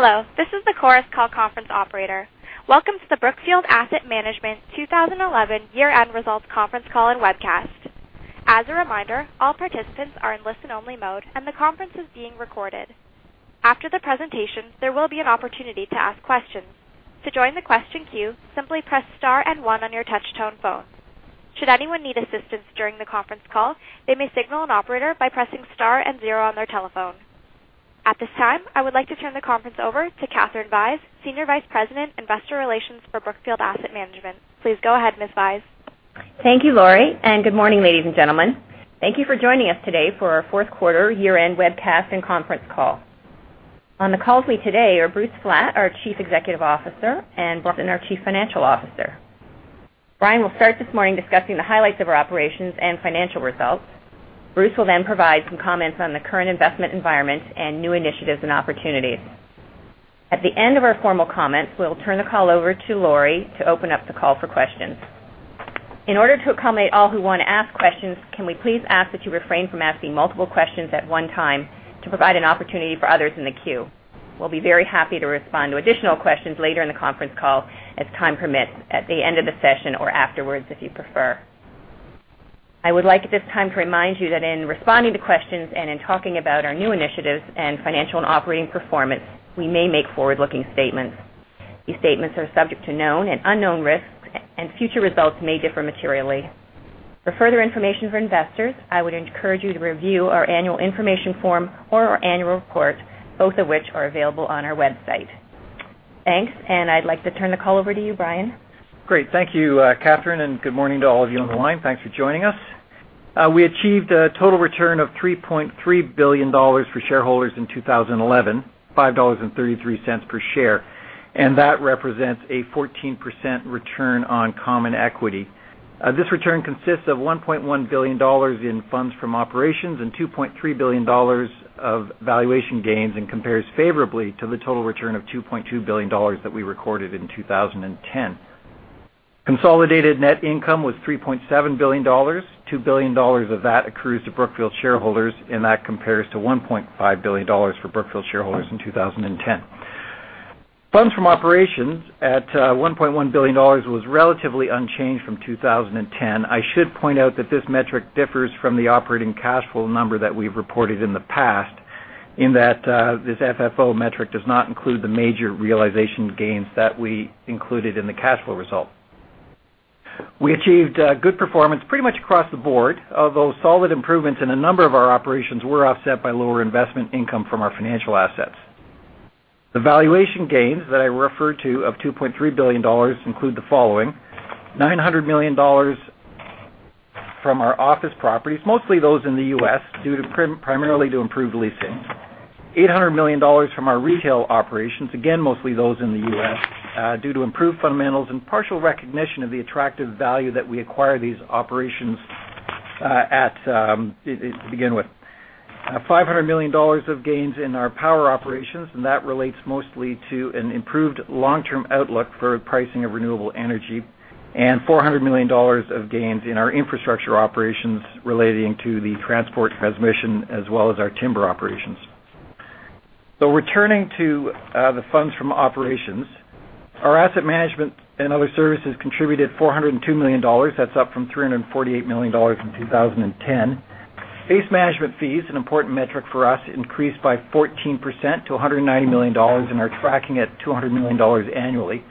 Hello, this is the CORUS call conference operator. Welcome to the Brookfield Asset Management 2011 Year-eEnd Results Conference Call and webcast. As a reminder, all participants are in listen-only mode, and the conference is being recorded. After the presentation, there will be an opportunity to ask questions. To join the question queue, simply press star and one on your touch-tone phone. Should anyone need assistance during the conference call, they may signal an operator by pressing star and zero on their telephone. At this time, I would like to turn the conference over to Katherine Vyse, Senior Vice President, Investor Relations for Brookfield Asset Management. Please go ahead, Ms. Vyse. Thank you, Lori, and good morning, ladies and gentlemen. Thank you for joining us today for our fourth quarter year-end webcast and conference call. On the call with me today are Bruce Flatt, our Chief Executive Officer, and Brian Lawson, our Chief Financial Officer. Brian will start this morning discussing the highlights of our operations and financial results. Bruce will then provide some comments on the current investment environment and new initiatives and opportunities. At the end of our formal comments, we'll turn the call over to Lori to open up the call for questions. In order to accommodate all who want to ask questions, can we please ask that you refrain from asking multiple questions at one time to provide an opportunity for others in the queue? We'll be very happy to respond to additional questions later in the conference call as time permits at the end of the session or afterwards, if you prefer. I would like at this time to remind you that in responding to questions and in talking about our new initiatives and financial and operating performance, we may make forward-looking statements. These statements are subject to known and unknown risks, and future results may differ materially. For further information for investors, I would encourage you to review our annual information form or our annual report, both of which are available on our website. Thanks, and I'd like to turn the call over to you, Brian. Great, thank you, Katherine, and good morning to all of you on the line. Thanks for joining us. We achieved a total return of $3.3 billion for shareholders in 2011, $5.33 per share, and that represents a 14% return on common equity. This return consists of $1.1 billion in funds from operations and $2.3 billion of valuation gains and compares favorably to the total return of $2.2 billion that we recorded in 2010. Consolidated net income was $3.7 billion. $2 billion of that accrues to Brookfield shareholders, and that compares to $1.5 billion for Brookfield shareholders in 2010. Funds from operations at $1.1 billion was relatively unchanged from 2010. I should point out that this metric differs from the operating cash flow number that we've reported in the past, in that this FFO metric does not include the major realization gains that we included in the cash flow result. We achieved good performance pretty much across the board, although solid improvements in a number of our operations were offset by lower investment income from our financial assets. The valuation gains that I referred to of $2.3 billion include the following: $900 million from our office properties, mostly those in the U.S., due to primarily improved leasing; $800 million from our retail operations, again mostly those in the U.S., due to improved fundamentals and partial recognition of the attractive value that we acquire these operations at to begin with; $500 million of gains in our power operations, and that relates mostly to an improved long-term outlook for the pricing of renewable energy; and $400 million of gains in our infrastructure operations relating to the transport transmission, as well as our timber operations. Returning to the funds from operations, our asset management and other services contributed $402 million. That's up from $348 million in 2010. Case management fees, an important metric for us, increased by 14% to $190 million and are tracking at $200 million annually.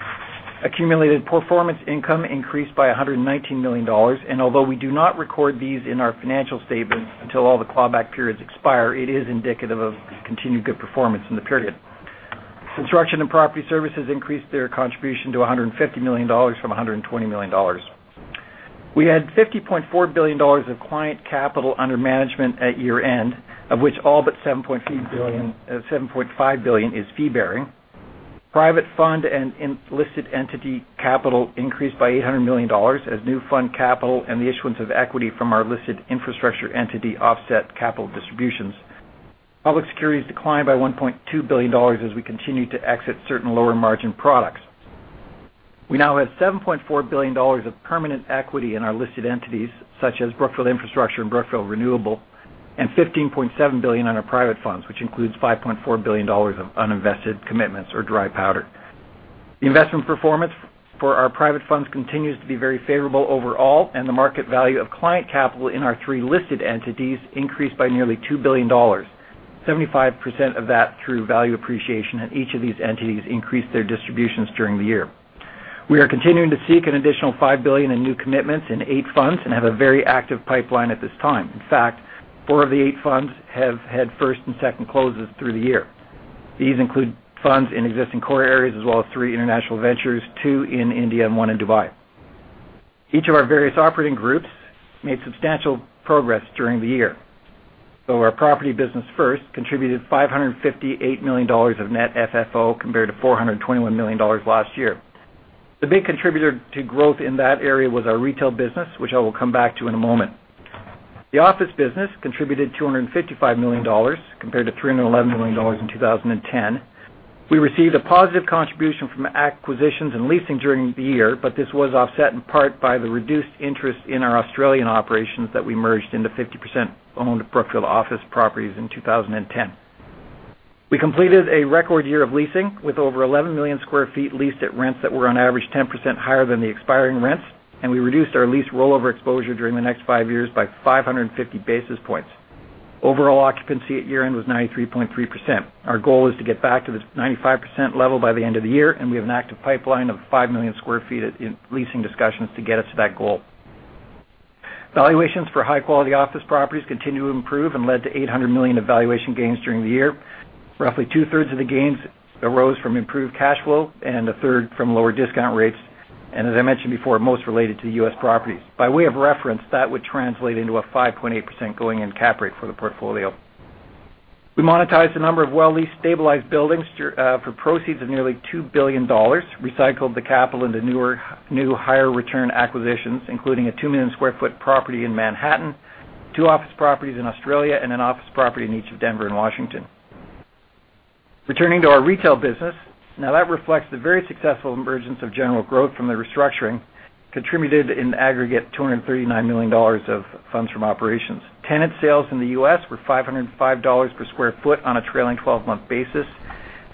Accumulated performance income increased by $119 million, and although we do not record these in our financial statements until all the clawback periods expire, it is indicative of continued good performance in the period. Construction and property services increased their contribution to $150 million from $120 million. We had $50.4 billion of client capital under management at year-end, of which all but $7.5 billion is fee-bearing. Private fund and listed entity capital increased by $800 million as new fund capital and the issuance of equity from our listed infrastructure entity offset capital distributions. Public securities declined by $1.2 billion as we continued to exit certain lower margin products. We now have $7.4 billion of permanent equity in our listed entities, such as Brookfield Infrastructure Partners and Brookfield Renewable Partners, and $15.7 billion on our private funds, which includes $5.4 billion of uninvested commitments or dry powder. The investment performance for our private funds continues to be very favorable overall, and the market value of client capital in our three listed entities increased by nearly $2 billion. 75% of that through value appreciation in each of these entities increased their distributions during the year. We are continuing to seek an additional $5 billion in new commitments in eight funds and have a very active pipeline at this time. In fact, four of the eight funds have had first and second closes through the year. These include funds in existing core areas, as well as three international ventures, two in India and one in Dubai. Each of our various operating groups made substantial progress during the year. Our property business first contributed $558 million of net FFO compared to $421 million last year. The big contributor to growth in that area was our retail business, which I will come back to in a moment. The office business contributed $255 million compared to $311 million in 2010. We received a positive contribution from acquisitions and leasing during the year, but this was offset in part by the reduced interest in our Australian operations that we merged into 50% owned Brookfield office properties in 2010. We completed a record year of leasing with over 11 million sq ft leased at rents that were on average 10% higher than the expiring rents, and we reduced our lease rollover exposure during the next five years by 550 basis points. Overall occupancy at year-end was 93.3%. Our goal is to get back to the 95% level by the end of the year, and we have an active pipeline of 5 million sq ft in leasing discussions to get us to that goal. Valuations for high-quality office properties continue to improve and led to $800 million of valuation gains during the year. Roughly two-thirds of the gains arose from improved cash flow and a third from lower discount rates, and as I mentioned before, most related to U.S. properties. By way of reference, that would translate into a 5.8% going-in cap rate for the portfolio. We monetized a number of well-leased stabilized buildings for proceeds of nearly $2 billion, recycled the capital into newer, higher-return acquisitions, including a 2 million sq ft property in Manhattan, two office properties in Australia, and an office property in each of Denver and Washington. Returning to our retail business, now that reflects the very successful emergence of General Growth Properties from the restructuring, contributed in aggregate $239 million of funds from operations. Tenant sales in the U.S. were $505 per sq ft on a trailing 12-month basis.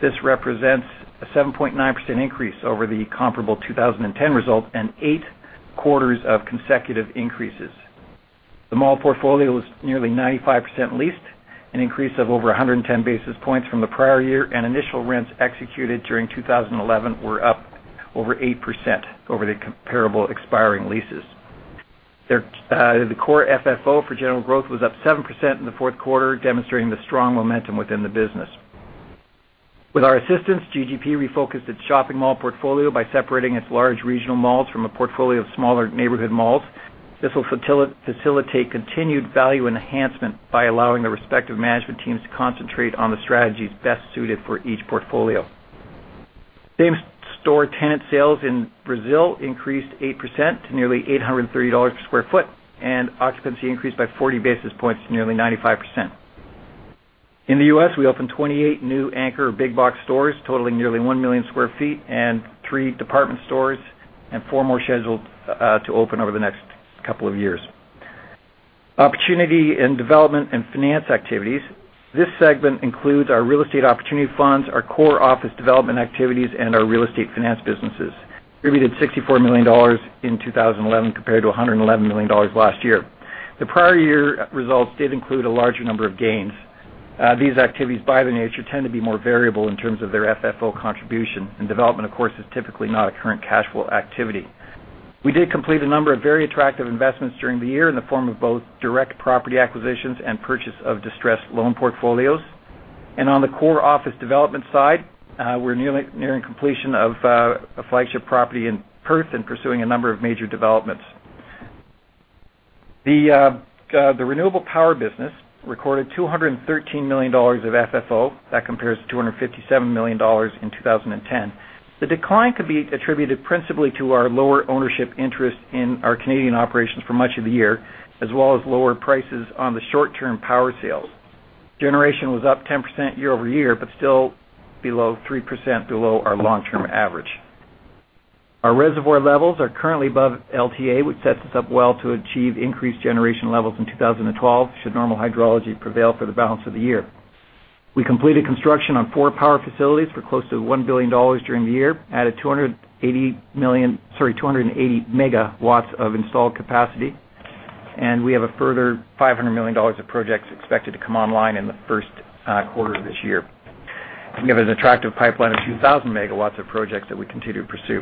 This represents a 7.9% increase over the comparable 2010 result and eight quarters of consecutive increases. The mall portfolio was nearly 95% leased, an increase of over 110 basis points from the prior year, and initial rents executed during 2011 were up over 8% over the comparable expiring leases. The core FFO for General Growth Properties was up 7% in the fourth quarter, demonstrating the strong momentum within the business. With our assistance, General Growth Properties refocused its shopping mall portfolio by separating its large regional malls from a portfolio of smaller neighborhood malls. This will facilitate continued value enhancement by allowing the respective management teams to concentrate on the strategies best suited for each portfolio. Same-store tenant sales in Brazil increased 8% to nearly $830 per sq ft, and occupancy increased by 40 basis points to nearly 95%. In the U.S., we opened 28 new anchor or big-box stores, totaling nearly 1 million sq ft, and three department stores and four more scheduled to open over the next couple of years. Opportunity in development and finance activities. This segment includes our real estate opportunity funds, our core office development activities, and our real estate finance businesses. We contributed $64 million in 2011 compared to $111 million last year. The prior year results did include a larger number of gains. These activities, by their nature, tend to be more variable in terms of their FFO contribution, and development, of course, is typically not a current cash flow activity. We did complete a number of very attractive investments during the year in the form of both direct property acquisitions and purchase of distressed loan portfolios, and on the core office development side, we're nearing completion of a flagship property in Perth and pursuing a number of major developments. The renewable power business recorded $213 million of FFO. That compares to $257 million in 2010. The decline could be attributed principally to our lower ownership interest in our Canadian operations for much of the year, as well as lower prices on the short-term power sales. Generation was up 10% year-over-year, but still 3% below our long-term average. Our reservoir levels are currently above LTA, which sets us up well to achieve increased generation levels in 2012 should normal hydrology prevail for the balance of the year. We completed construction on four power facilities for close to $1 billion during the year, added 280 MW of installed capacity, and we have a further $500 million of projects expected to come online in the first quarter of this year. We have an attractive pipeline of a few thousand megawatts of projects that we continue to pursue.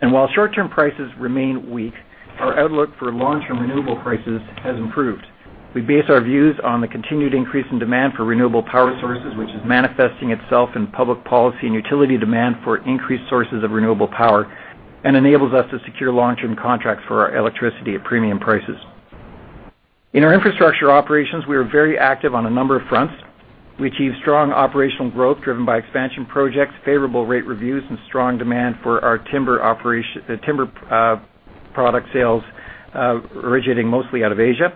While short-term prices remain weak, our outlook for long-term renewable prices has improved. We base our views on the continued increase in demand for renewable power sources, which is manifesting itself in public policy and utility demand for increased sources of renewable power and enables us to secure long-term contracts for our electricity at premium prices. In our infrastructure operations, we are very active on a number of fronts. We achieve strong operational growth driven by expansion projects, favorable rate reviews, and strong demand for our timber product sales, originating mostly out of Asia.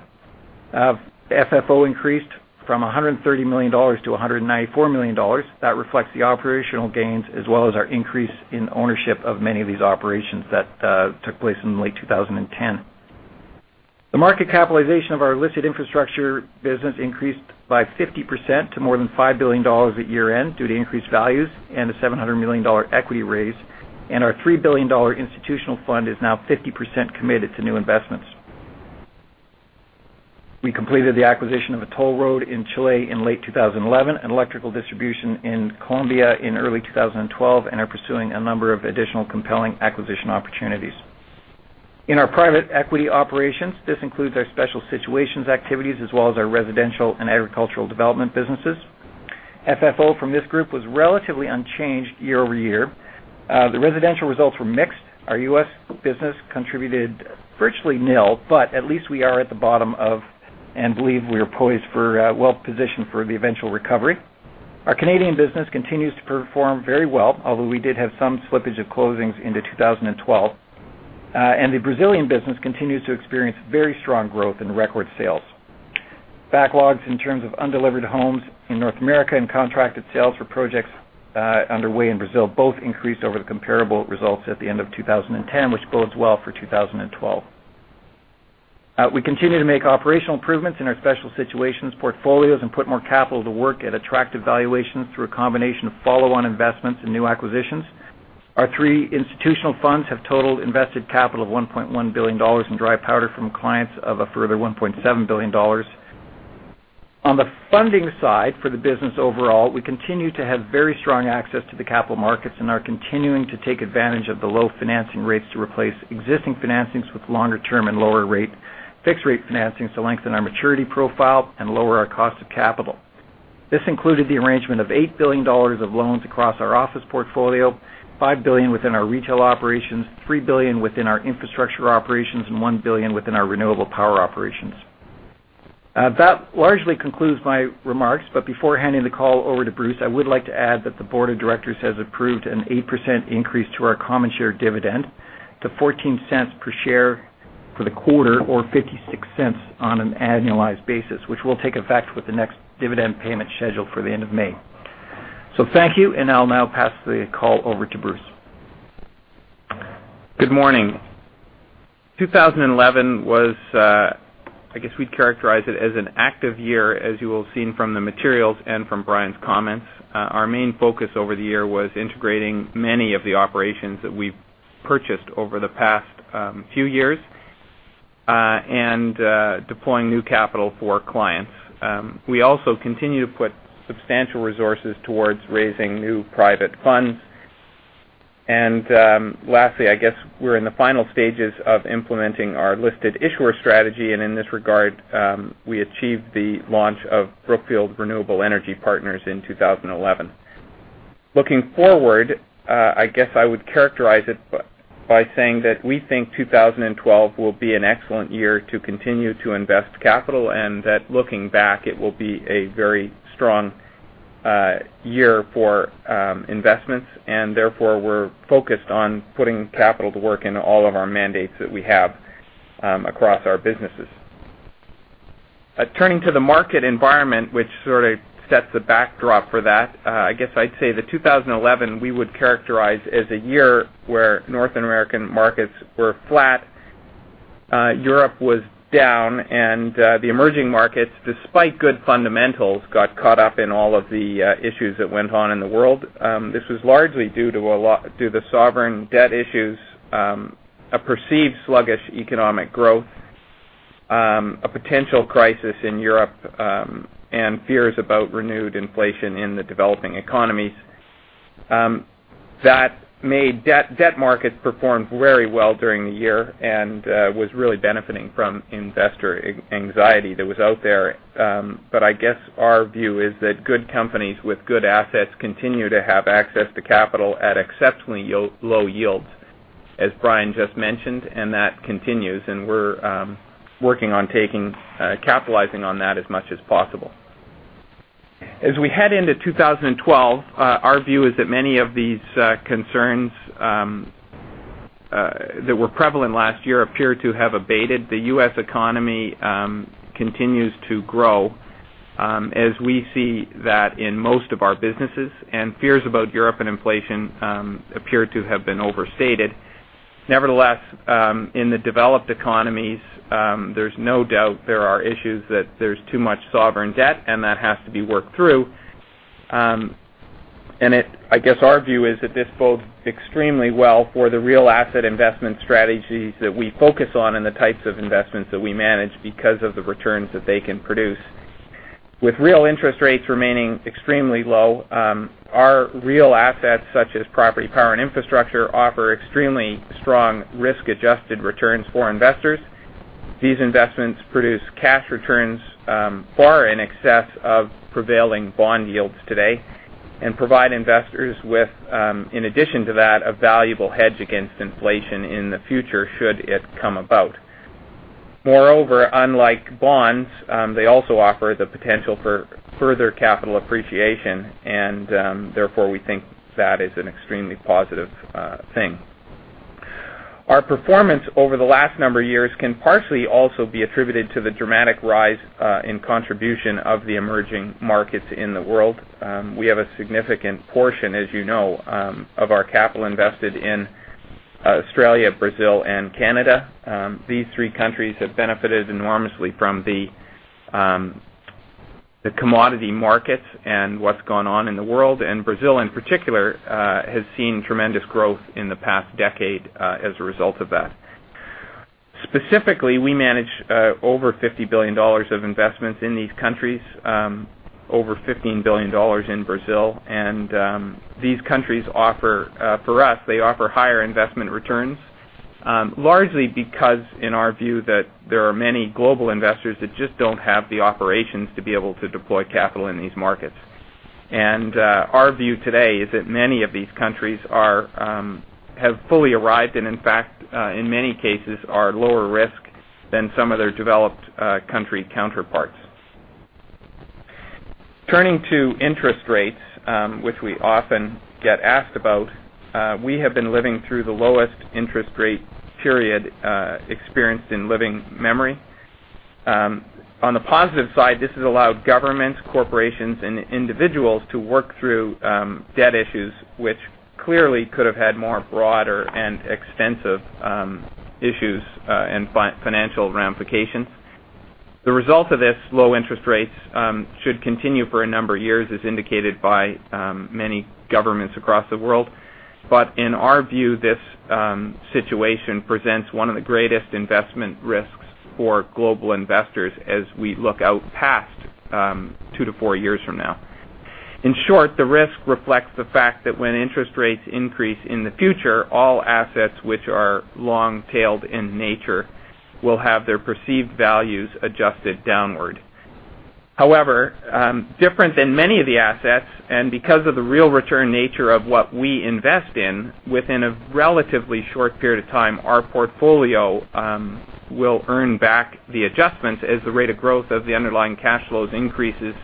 FFO increased from $130 million to $194 million. That reflects the operational gains as well as our increase in ownership of many of these operations that took place in late 2010. The market capitalization of our listed infrastructure business increased by 50% to more than $5 billion at year-end due to increased values and a $700 million equity raise, and our $3 billion institutional fund is now 50% committed to new investments. We completed the acquisition of a toll road in Chile in late 2011, an electrical distribution in Colombia in early 2012, and are pursuing a number of additional compelling acquisition opportunities. In our private equity operations, this includes our special situations activities as well as our residential and agricultural development businesses. FFO from this group was relatively unchanged year-over-year. The residential results were mixed. Our U.S. business contributed virtually nil, but at least we are at the bottom of and believe we are well positioned for the eventual recovery. Our Canadian business continues to perform very well, although we did have some slippage of closings into 2012, and the Brazilian business continues to experience very strong growth in record sales. Backlogs in terms of undelivered homes in North America and contracted sales for projects underway in Brazil both increased over the comparable results at the end of 2010, which bodes well for 2012. We continue to make operational improvements in our special situations portfolios and put more capital to work at attractive valuations through a combination of follow-on investments and new acquisitions. Our three institutional funds have total invested capital of $1.1 billion and dry powder from clients of a further $1.7 billion. On the funding side for the business overall, we continue to have very strong access to the capital markets and are continuing to take advantage of the low financing rates to replace existing financings with longer-term and lower fixed-rate financings to lengthen our maturity profile and lower our cost of capital. This included the arrangement of $8 billion of loans across our office portfolio, $5 billion within our retail operations, $3 billion within our infrastructure operations, and $1 billion within our renewable power operations. That largely concludes my remarks. Before handing the call over to Bruce, I would like to add that the Board of Directors has approved an 8% increase to our common share dividend to $0.14 per share for the quarter or $0.56 on an annualized basis, which will take effect with the next dividend payment scheduled for the end of May. Thank you, and I'll now pass the call over to Bruce. Good morning. 2011 was, I guess we'd characterize it as an active year, as you will have seen from the materials and from Brian's comments. Our main focus over the year was integrating many of the operations that we've purchased over the past few years and deploying new capital for clients. We also continue to put substantial resources towards raising new private funds, and lastly, I guess we're in the final stages of implementing our listed issuer strategy, and in this regard, we achieved the launch of Brookfield Renewable Partners in 2011. Looking forward, I guess I would characterize it by saying that we think 2012 will be an excellent year to continue to invest capital and that looking back, it will be a very strong year for investments, and therefore, we're focused on putting capital to work in all of our mandates that we have across our businesses. Turning to the market environment, which sort of sets the backdrop for that, I guess I'd say that 2011 we would characterize as a year where North American markets were flat, Europe was down, and the emerging markets, despite good fundamentals, got caught up in all of the issues that went on in the world. This was largely due to the sovereign debt issues, a perceived sluggish economic growth, a potential crisis in Europe, and fears about renewed inflation in the developing economies. That made debt markets perform very well during the year and was really benefiting from investor anxiety that was out there, but I guess our view is that good companies with good assets continue to have access to capital at exceptionally low yields, as Brian just mentioned, and that continues, and we're working on capitalizing on that as much as possible. As we head into 2012, our view is that many of these concerns that were prevalent last year appear to have abated. The U.S. economy continues to grow, as we see that in most of our businesses, and fears about Europe and inflation appear to have been overstated. Nevertheless, in the developed economies, there's no doubt there are issues that there's too much sovereign debt, and that has to be worked through, and I guess our view is that this bodes extremely well for the real asset investment strategies that we focus on and the types of investments that we manage because of the returns that they can produce. With real interest rates remaining extremely low, our real assets, such as property, power, and infrastructure, offer extremely strong risk-adjusted returns for investors. These investments produce cash returns far in excess of prevailing bond yields today and provide investors with, in addition to that, a valuable hedge against inflation in the future should it come about. Moreover, unlike bonds, they also offer the potential for further capital appreciation, and therefore, we think that is an extremely positive thing. Our performance over the last number of years can partially also be attributed to the dramatic rise in contribution of the emerging markets in the world. We have a significant portion, as you know, of our capital invested in Australia, Brazil, and Canada. These three countries have benefited enormously from the commodity markets and what's going on in the world, and Brazil in particular has seen tremendous growth in the past decade as a result of that. Specifically, we manage over $50 billion of investments in these countries, over $15 billion in Brazil, and these countries offer for us, they offer higher investment returns, largely because in our view that there are many global investors that just don't have the operations to be able to deploy capital in these markets. Our view today is that many of these countries have fully arrived and, in fact, in many cases, are lower risk than some of their developed country counterparts. Turning to interest rates, which we often get asked about, we have been living through the lowest interest rate period experienced in living memory. On the positive side, this has allowed governments, corporations, and individuals to work through debt issues, which clearly could have had more broader and extensive issues and financial ramifications. The result of this, low interest rates, should continue for a number of years, as indicated by many governments across the world, but in our view, this situation presents one of the greatest investment risks for global investors as we look out past two to four years from now. In short, the risk reflects the fact that when interest rates increase in the future, all assets which are long-tailed in nature will have their perceived values adjusted downward. However, different than many of the assets, and because of the real return nature of what we invest in, within a relatively short period of time, our portfolio will earn back the adjustments as the rate of growth of the underlying cash flows increases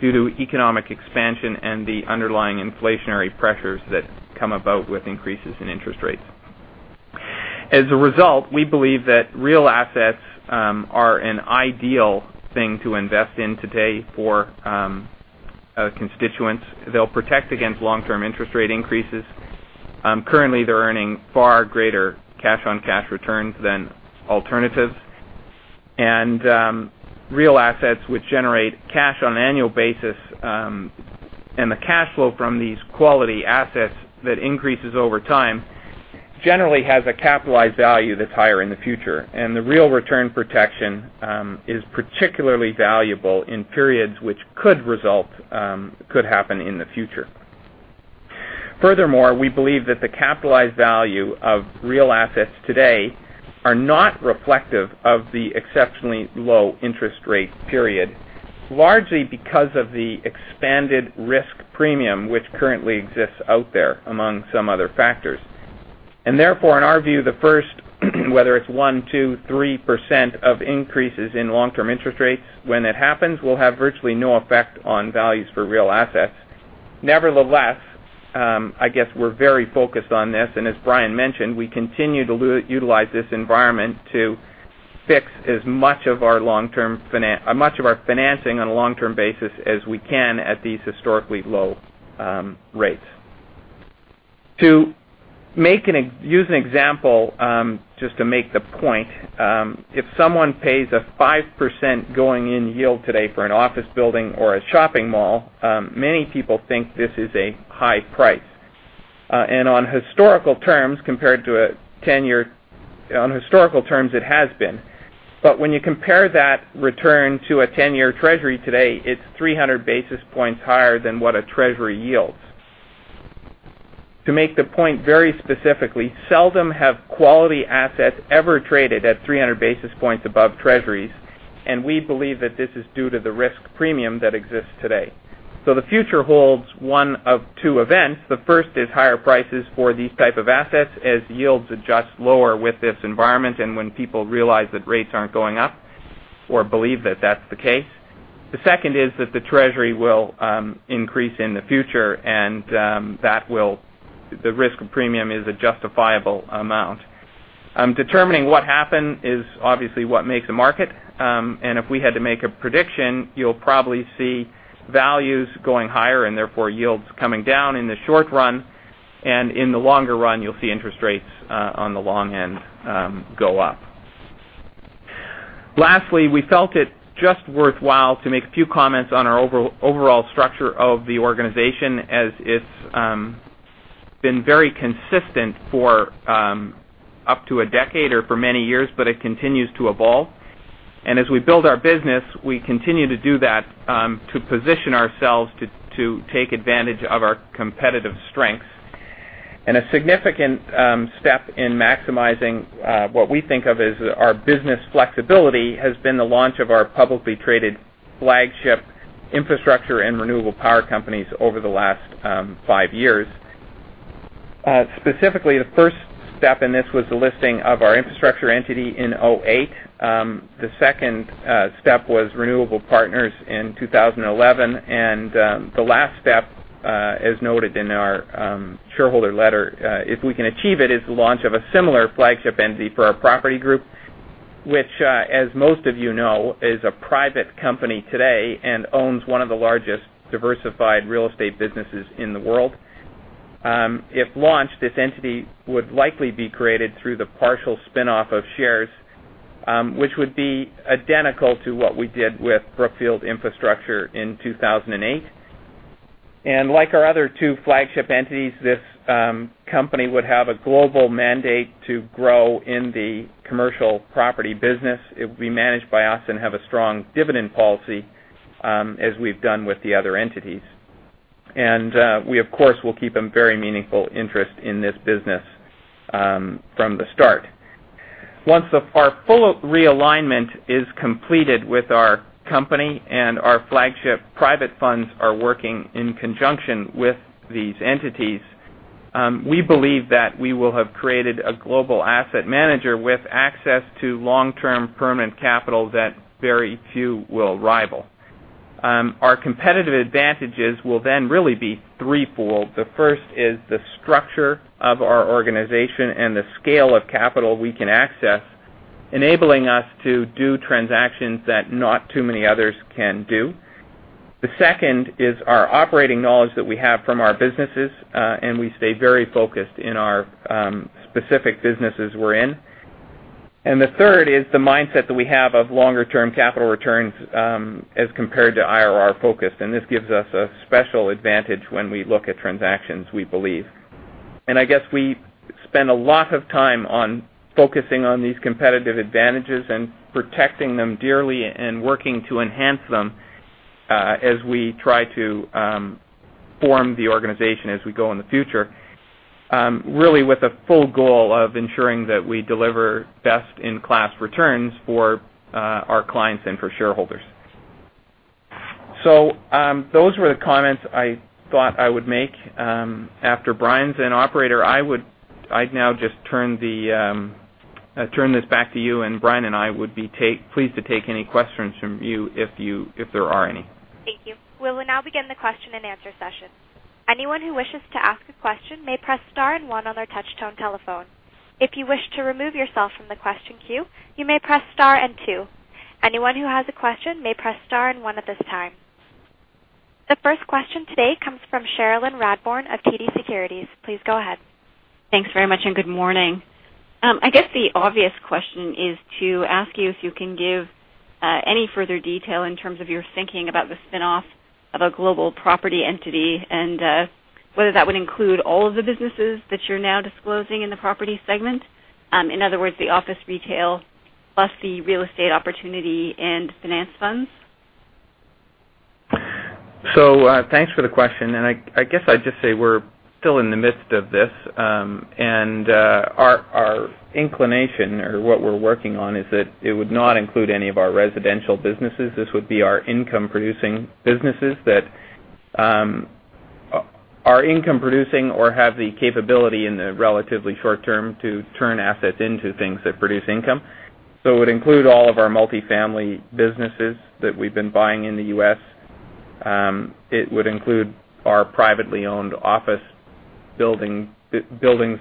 due to economic expansion and the underlying inflationary pressures that come about with increases in interest rates. As a result, we believe that real assets are an ideal thing to invest in today for constituents. They'll protect against long-term interest rate increases. Currently, they're earning far greater cash-on-cash returns than alternatives, and real assets which generate cash on an annual basis and the cash flow from these quality assets that increases over time generally have a capitalized value that's higher in the future, and the real return protection is particularly valuable in periods which could happen in the future. Furthermore, we believe that the capitalized value of real assets today is not reflective of the exceptionally low interest rate period, largely because of the expanded risk premium which currently exists out there among some other factors. Therefore, in our view, the first, whether it's 1%, 2%, 3% of increases in long-term interest rates, when it happens, will have virtually no effect on values for real assets. Nevertheless, I guess we're very focused on this, and as Brian mentioned, we continue to utilize this environment to fix as much of our long-term financing on a long-term basis as we can at these historically low rates. To use an example, just to make the point, if someone pays a 5% going-in yield today for an office building or a shopping mall, many people think this is a high price, and on historical terms, compared to a 10-year on historical terms, it has been, but when you compare that return to a 10-year Treasury today, it's 300 basis points higher than what a Treasury yields. To make the point very specifically, seldom have quality assets ever traded at 300 basis points above Treasuries, and we believe that this is due to the risk premium that exists today. The future holds one of two events. The first is higher prices for these types of assets as yields adjust lower with this environment and when people realize that rates aren't going up or believe that that's the case. The second is that the Treasury will increase in the future, and that will the risk premium is a justifiable amount. Determining what happened is obviously what makes a market, and if we had to make a prediction, you'll probably see values going higher and therefore yields coming down in the short run, and in the longer run, you'll see interest rates on the long end go up. Lastly, we felt it just worthwhile to make a few comments on our overall structure of the organization as it's been very consistent for up to a decade or for many years, but it continues to evolve, and as we build our business, we continue to do that to position ourselves to take advantage of our competitive strengths. A significant step in maximizing what we think of as our business flexibility has been the launch of our publicly traded flagship infrastructure and renewable power companies over the last five years. Specifically, the first step in this was the listing of our infrastructure entity in 2008. The second step was Brookfield Renewable Partners in 2011, and the last step, as noted in our shareholder letter, if we can achieve it, is the launch of a similar flagship entity for our property group, which, as most of you know, is a private company today and owns one of the largest diversified real estate businesses in the world. If launched, this entity would likely be created through the partial spin-off of shares, which would be identical to what we did with Brookfield Infrastructure in 2008. Like our other two flagship entities, this company would have a global mandate to grow in the commercial property business. It would be managed by us and have a strong dividend policy, as we've done with the other entities. We, of course, will keep a very meaningful interest in this business from the start. Once our full realignment is completed with our company and our flagship private funds are working in conjunction with these entities, we believe that we will have created a global asset manager with access to long-term permanent capital that very few will rival. Our competitive advantages will then really be three-fold. The first is the structure of our organization and the scale of capital we can access, enabling us to do transactions that not too many others can do. The second is our operating knowledge that we have from our businesses, and we stay very focused in our specific businesses we're in. The third is the mindset that we have of longer-term capital returns as compared to IRR-focused, and this gives us a special advantage when we look at transactions, we believe. We spend a lot of time focusing on these competitive advantages and protecting them dearly, working to enhance them as we try to form the organization as we go in the future, really with a full goal of ensuring that we deliver best-in-class returns for our clients and for shareholders. Those were the comments I thought I would make. After Brian's in, operator, I'd now just turn this back to you, and Brian and I would be pleased to take any questions from you if there are any. Thank you. We will now begin the question and answer session. Anyone who wishes to ask a question may press star and one on their touch-tone telephone. If you wish to remove yourself from the question queue, you may press star and two. Anyone who has a question may press star and one at this time. The first question today comes from Cherilyn Radbourne of TD Securities. Please go ahead. Thanks very much, and good morning. I guess the obvious question is to ask you if you can give any further detail in terms of your thinking about the spin-off of a global property entity and whether that would include all of the businesses that you're now disclosing in the property segment. In other words, the office, retail, plus the real estate opportunity and finance funds. Thank you for the question. I'd just say we're still in the midst of this, and our inclination or what we're working on is that it would not include any of our residential businesses. This would be our income-producing businesses that are income-producing or have the capability in the relatively short term to turn assets into things that produce income. It would include all of our multifamily businesses that we've been buying in the U.S. It would include our privately owned office buildings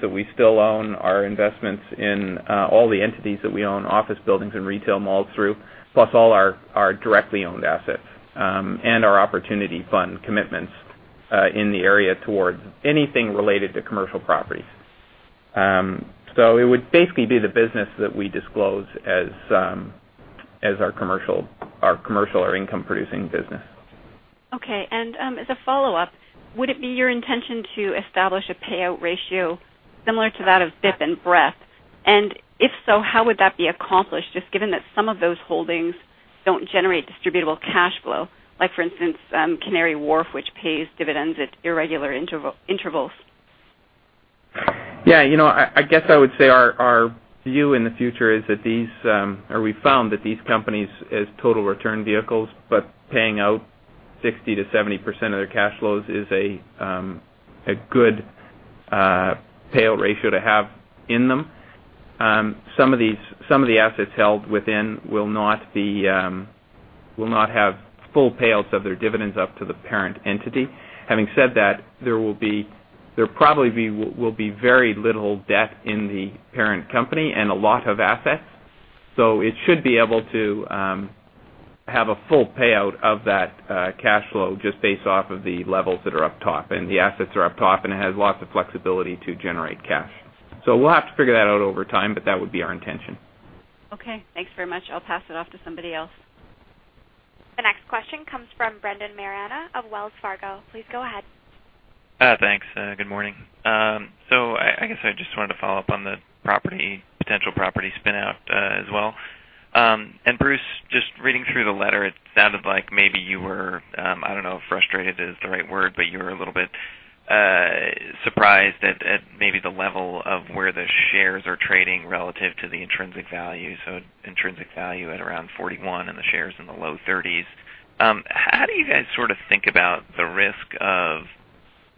that we still own, our investments in all the entities that we own, office buildings and retail malls through, plus all our directly owned assets and our opportunity fund commitments in the area towards anything related to commercial properties. It would basically be the business that we disclose as our commercial or income-producing business. Okay, as a follow-up, would it be your intention to establish a payout ratio similar to that of Brookfield Infrastructure Partners and Brookfield Renewable Partners? If so, how would that be accomplished, just given that some of those holdings don't generate distributable cash flow, like for instance, Canary Wharf, which pays dividends at irregular intervals? Yeah, you know, I guess I would say our view in the future is that we've found that these companies as total return vehicles, but paying out 60%-70% of their cash flows is a good payout ratio to have in them. Some of the assets held within will not have full payouts of their dividends up to the parent entity. Having said that, there will probably be very little debt in the parent company and a lot of assets, so it should be able to have a full payout of that cash flow just based off of the levels that are up top, and the assets are up top, and it has lots of flexibility to generate cash. We'll have to figure that out over time, but that would be our intention. Okay, thanks very much. I'll pass it off to somebody else. The next question comes from Brendan Marana of Wells Fargo. Please go ahead. Thanks, good morning. I just wanted to follow up on the potential property spin-out as well. Bruce, just reading through the letter, it sounded like maybe you were, I don't know if frustrated is the right word, but you were a little bit surprised at maybe the level of where the shares are trading relative to the intrinsic value, so intrinsic value at around $41 and the shares in the low $30s. How do you guys sort of think about the risk of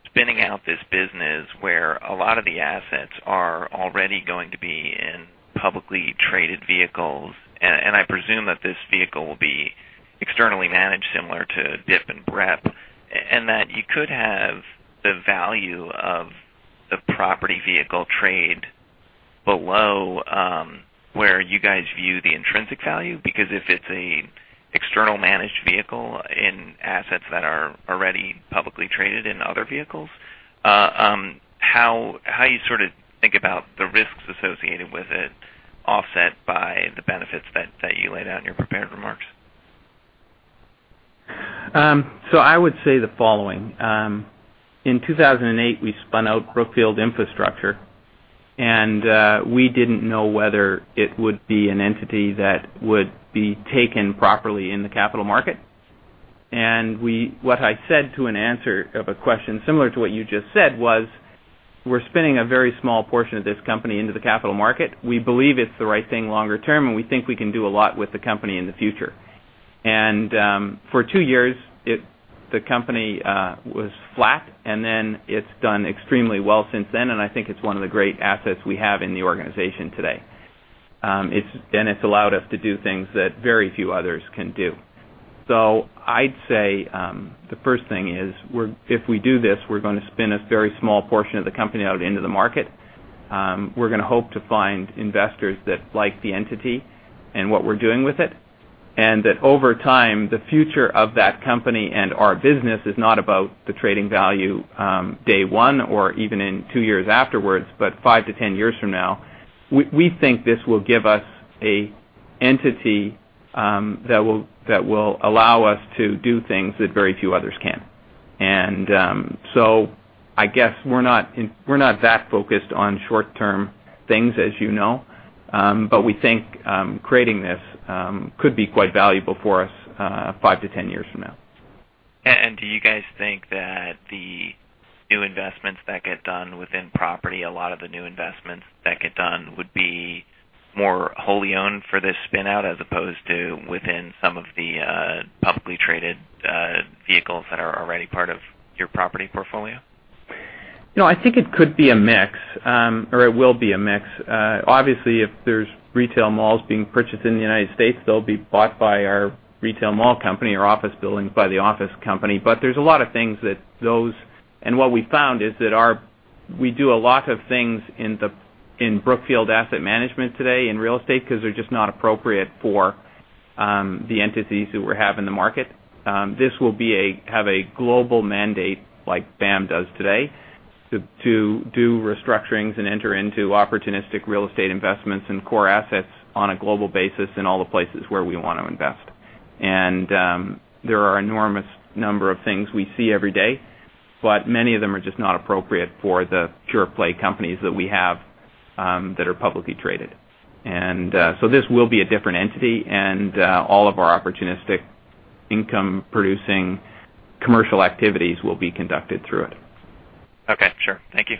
spinning out this business where a lot of the assets are already going to be in publicly traded vehicles, and I presume that this vehicle will be externally managed similar to BIP and BEP, and that you could have the value of a property vehicle trade below where you guys view the intrinsic value? If it's an externally managed vehicle in assets that are already publicly traded in other vehicles, how do you sort of think about the risks associated with it offset by the benefits that you laid out in your prepared remarks? I would say the following. In 2008, we spun out Brookfield Infrastructure, and we didn't know whether it would be an entity that would be taken properly in the capital market. What I said to an answer of a question similar to what you just said was we're spinning a very small portion of this company into the capital market. We believe it's the right thing longer term, and we think we can do a lot with the company in the future. For two years, the company was flat, and then it's done extremely well since then. I think it's one of the great assets we have in the organization today, and it's allowed us to do things that very few others can do. The first thing is if we do this, we're going to spin a very small portion of the company out into the market. We're going to hope to find investors that like the entity and what we're doing with it, and that over time, the future of that company and our business is not about the trading value day one or even in two years afterwards, but five to ten years from now. We think this will give us an entity that will allow us to do things that very few others can. I guess we're not that focused on short-term things, as you know, but we think creating this could be quite valuable for us five to 10 years from now. Do you guys think that the new investments that get done within property, a lot of the new investments that get done, would be more wholly owned for this spin-out as opposed to within some of the publicly traded vehicles that are already part of your property portfolio? I think it could be a mix, or it will be a mix. Obviously, if there's retail malls being purchased in the United States, they'll be bought by our retail mall company or office buildings by the office company, but there's a lot of things that those. What we found is that we do a lot of things in Brookfield Asset Management today in real estate because they're just not appropriate for the entities that we have in the market. This will have a global mandate like Brookfield Asset Management does today to do restructurings and enter into opportunistic real estate investments and core assets on a global basis in all the places where we want to invest. There are an enormous number of things we see every day, but many of them are just not appropriate for the pure-play companies that we have that are publicly traded. This will be a different entity, and all of our opportunistic income-producing commercial activities will be conducted through it. Okay, sure, thank you.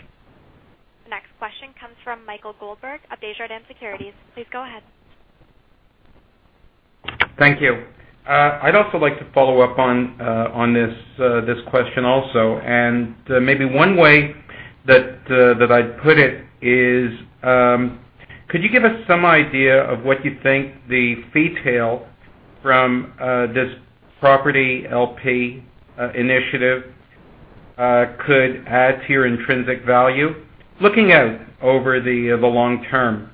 The next question comes from Michael Goldberg of Desjardins Securities. Please go ahead. Thank you. I'd also like to follow up on this question, and maybe one way that I'd put it is, could you give us some idea of what you think the fee tail from this property LP initiative could add to your intrinsic value looking out over the long term,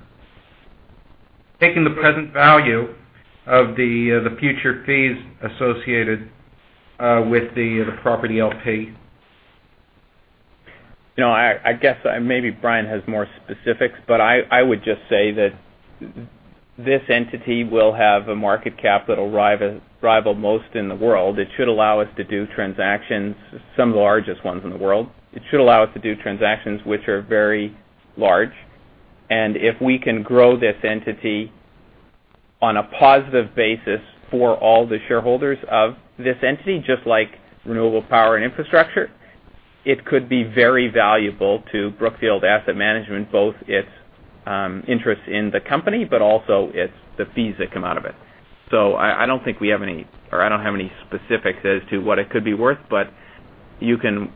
taking the present value of the future fees associated with the property LP? I guess maybe Brian has more specifics, but I would just say that this entity will have a market capital rival most in the world. It should allow us to do transactions, some of the largest ones in the world. It should allow us to do transactions which are very large, and if we can grow this entity on a positive basis for all the shareholders of this entity, just like renewable power and infrastructure, it could be very valuable to Brookfield Asset Management, both its interests in the company but also the fees that come out of it. I don't think we have any, or I don't have any specifics as to what it could be worth, but you can,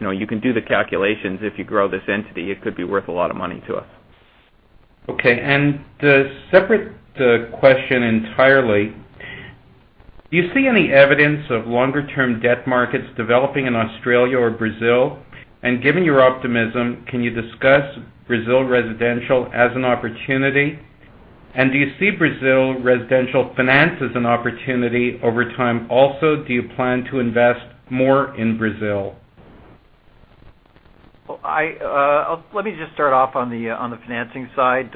you know, you can do the calculations if you grow this entity. It could be worth a lot of money to us. Okay, a separate question entirely. Do you see any evidence of longer-term debt markets developing in Australia or Brazil? Given your optimism, can you discuss Brazil residential as an opportunity? Do you see Brazil residential finance as an opportunity over time? Also, do you plan to invest more in Brazil? Let me just start off on the financing side.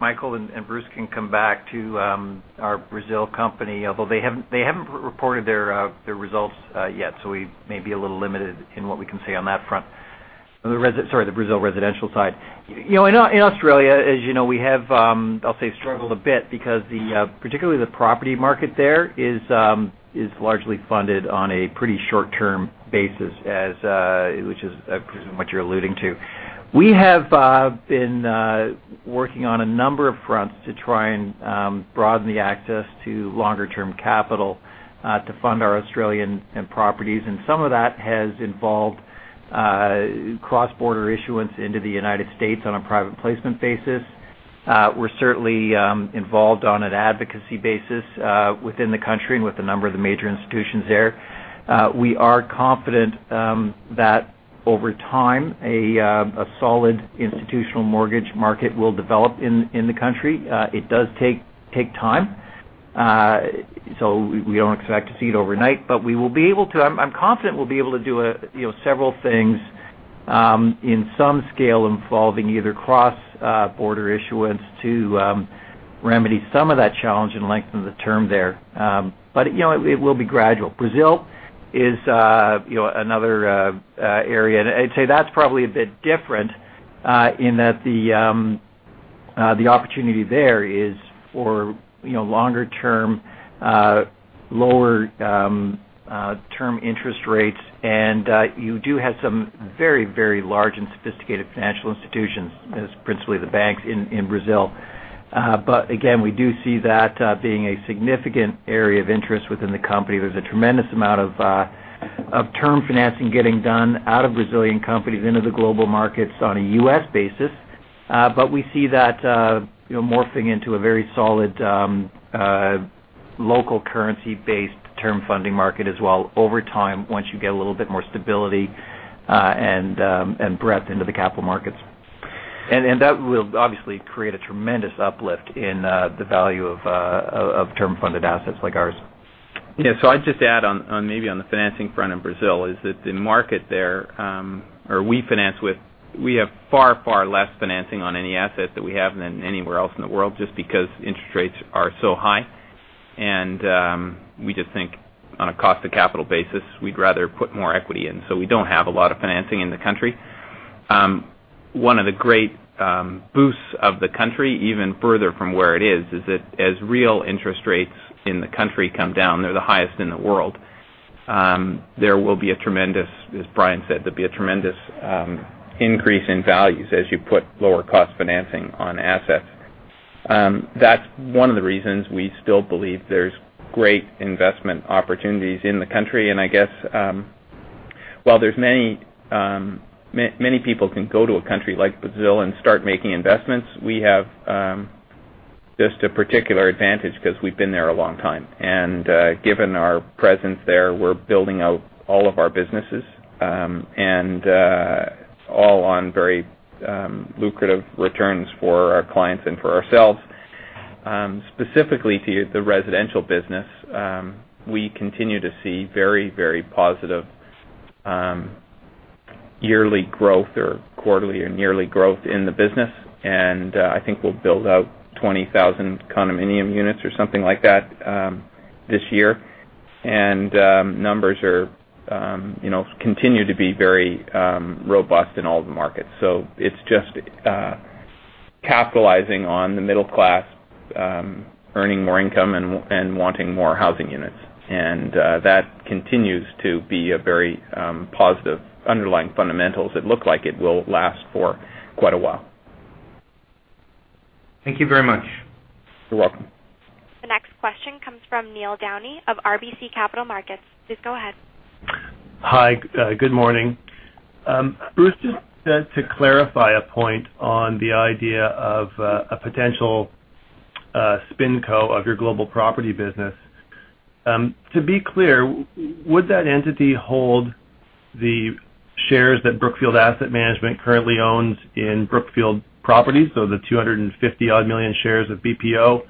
Michael and Bruce can come back to our Brazil company, although they haven't reported their results yet, so we may be a little limited in what we can say on that front. Sorry, the Brazil residential side. In Australia, as you know, we have, I'll say, struggled a bit because particularly the property market there is largely funded on a pretty short-term basis, which is what you're alluding to. We have been working on a number of fronts to try and broaden the access to longer-term capital to fund our Australian properties, and some of that has involved cross-border issuance into the U.S. on a private placement basis. We're certainly involved on an advocacy basis within the country and with a number of the major institutions there. We are confident that over time, a solid institutional mortgage market will develop in the country. It does take time, so we don't expect to see it overnight, but I'm confident we'll be able to do several things in some scale involving either cross-border issuance to remedy some of that challenge and lengthen the term there. It will be gradual. Brazil is another area, and I'd say that's probably a bit different in that the opportunity there is for longer-term, lower-term interest rates, and you do have some very, very large and sophisticated financial institutions, principally the banks in Brazil. We do see that being a significant area of interest within the company. There's a tremendous amount of term financing getting done out of Brazilian companies into the global markets on a U.S. basis, but we see that morphing into a very solid local currency-based term funding market as well over time once you get a little bit more stability and breadth into the capital markets. That will obviously create a tremendous uplift in the value of term funded assets like ours. Yeah, so I'd just add on maybe on the financing front in Brazil is that the market there, or we finance with, we have far, far less financing on any asset that we have than anywhere else in the world just because interest rates are so high, and we just think on a cost-to-capital basis, we'd rather put more equity in, so we don't have a lot of financing in the country. One of the great boosts of the country, even further from where it is, is that as real interest rates in the country come down, they're the highest in the world. There will be a tremendous, as Brian said, there'll be a tremendous increase in values as you put lower cost financing on assets. That's one of the reasons we still believe there's great investment opportunities in the country. I guess while many people can go to a country like Brazil and start making investments, we have just a particular advantage because we've been there a long time. Given our presence there, we're building out all of our businesses and all on very lucrative returns for our clients and for ourselves. Specifically to the residential business, we continue to see very, very positive yearly growth or quarterly or yearly growth in the business, and I think we'll build out 20,000 condominium units or something like that this year, and numbers continue to be very robust in all the markets. It's just capitalizing on the middle class earning more income and wanting more housing units, and that continues to be a very positive underlying fundamentals that look like it will last for quite a while. Thank you very much. You're welcome. The next question comes from Neil Downey of RBC Capital Markets. Please go ahead. Hi, good morning. Bruce, just to clarify a point on the idea of a potential spin co of your global property business. To be clear, would that entity hold the shares that Brookfield Asset Management currently owns in Brookfield Properties, so the $250 million-odd shares of BPO,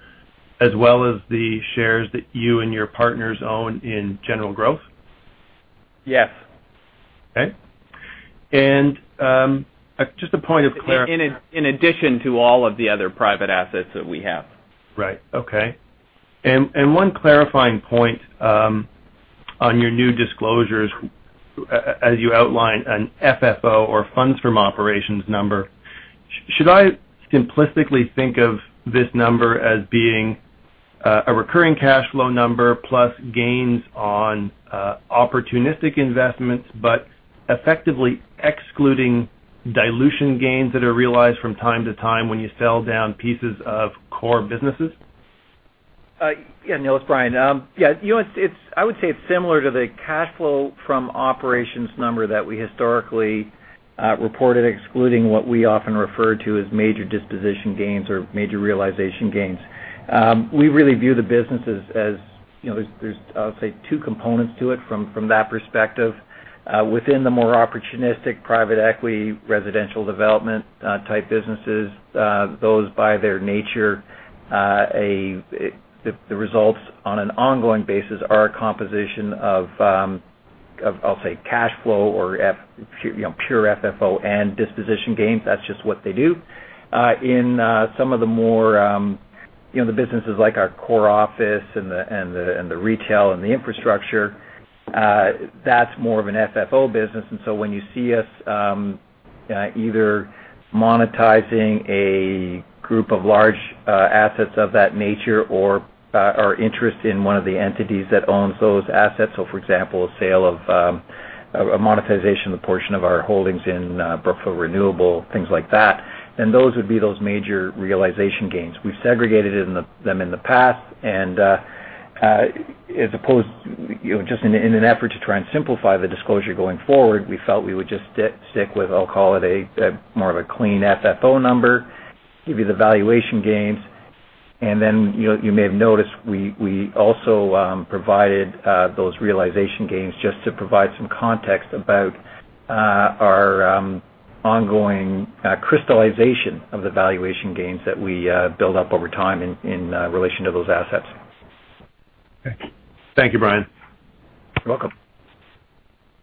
as well as the shares that you and your partners own in General Growth? Yes. Okay, just a point of clarity. In addition to all of the other private assets that we have. Right, okay. One clarifying point on your new disclosures, as you outlined an FFO or funds from operations number. Should I simplistically think of this number as being a recurring cash flow number plus gains on opportunistic investments, but effectively excluding dilution gains that are realized from time to time when you sell down pieces of core businesses? Yeah, Neil, it's Brian. I would say it's similar to the cash flow from operations number that we historically reported, excluding what we often refer to as major disposition gains or major realization gains. We really view the business as, you know, there's two components to it from that perspective. Within the more opportunistic private equity residential development type businesses, those by their nature, the results on an ongoing basis are a composition of cash flow or pure FFO and disposition gains. That's just what they do. In some of the more, you know, the businesses like our core office and the retail and the infrastructure, that's more of an FFO business, and when you see us either monetizing a group of large assets of that nature or interest in one of the entities that owns those assets, for example, a sale of a monetization of the portion of our holdings in Brookfield Renewable, things like that, then those would be those major realization gains. We've segregated them in the past, and in an effort to try and simplify the disclosure going forward, we felt we would just stick with more of a clean FFO number, give you the valuation gains, and you may have noticed we also provided those realization gains just to provide some context about our ongoing crystallization of the valuation gains that we build up over time in relation to those assets. Okay, thank you, Brian. You're welcome.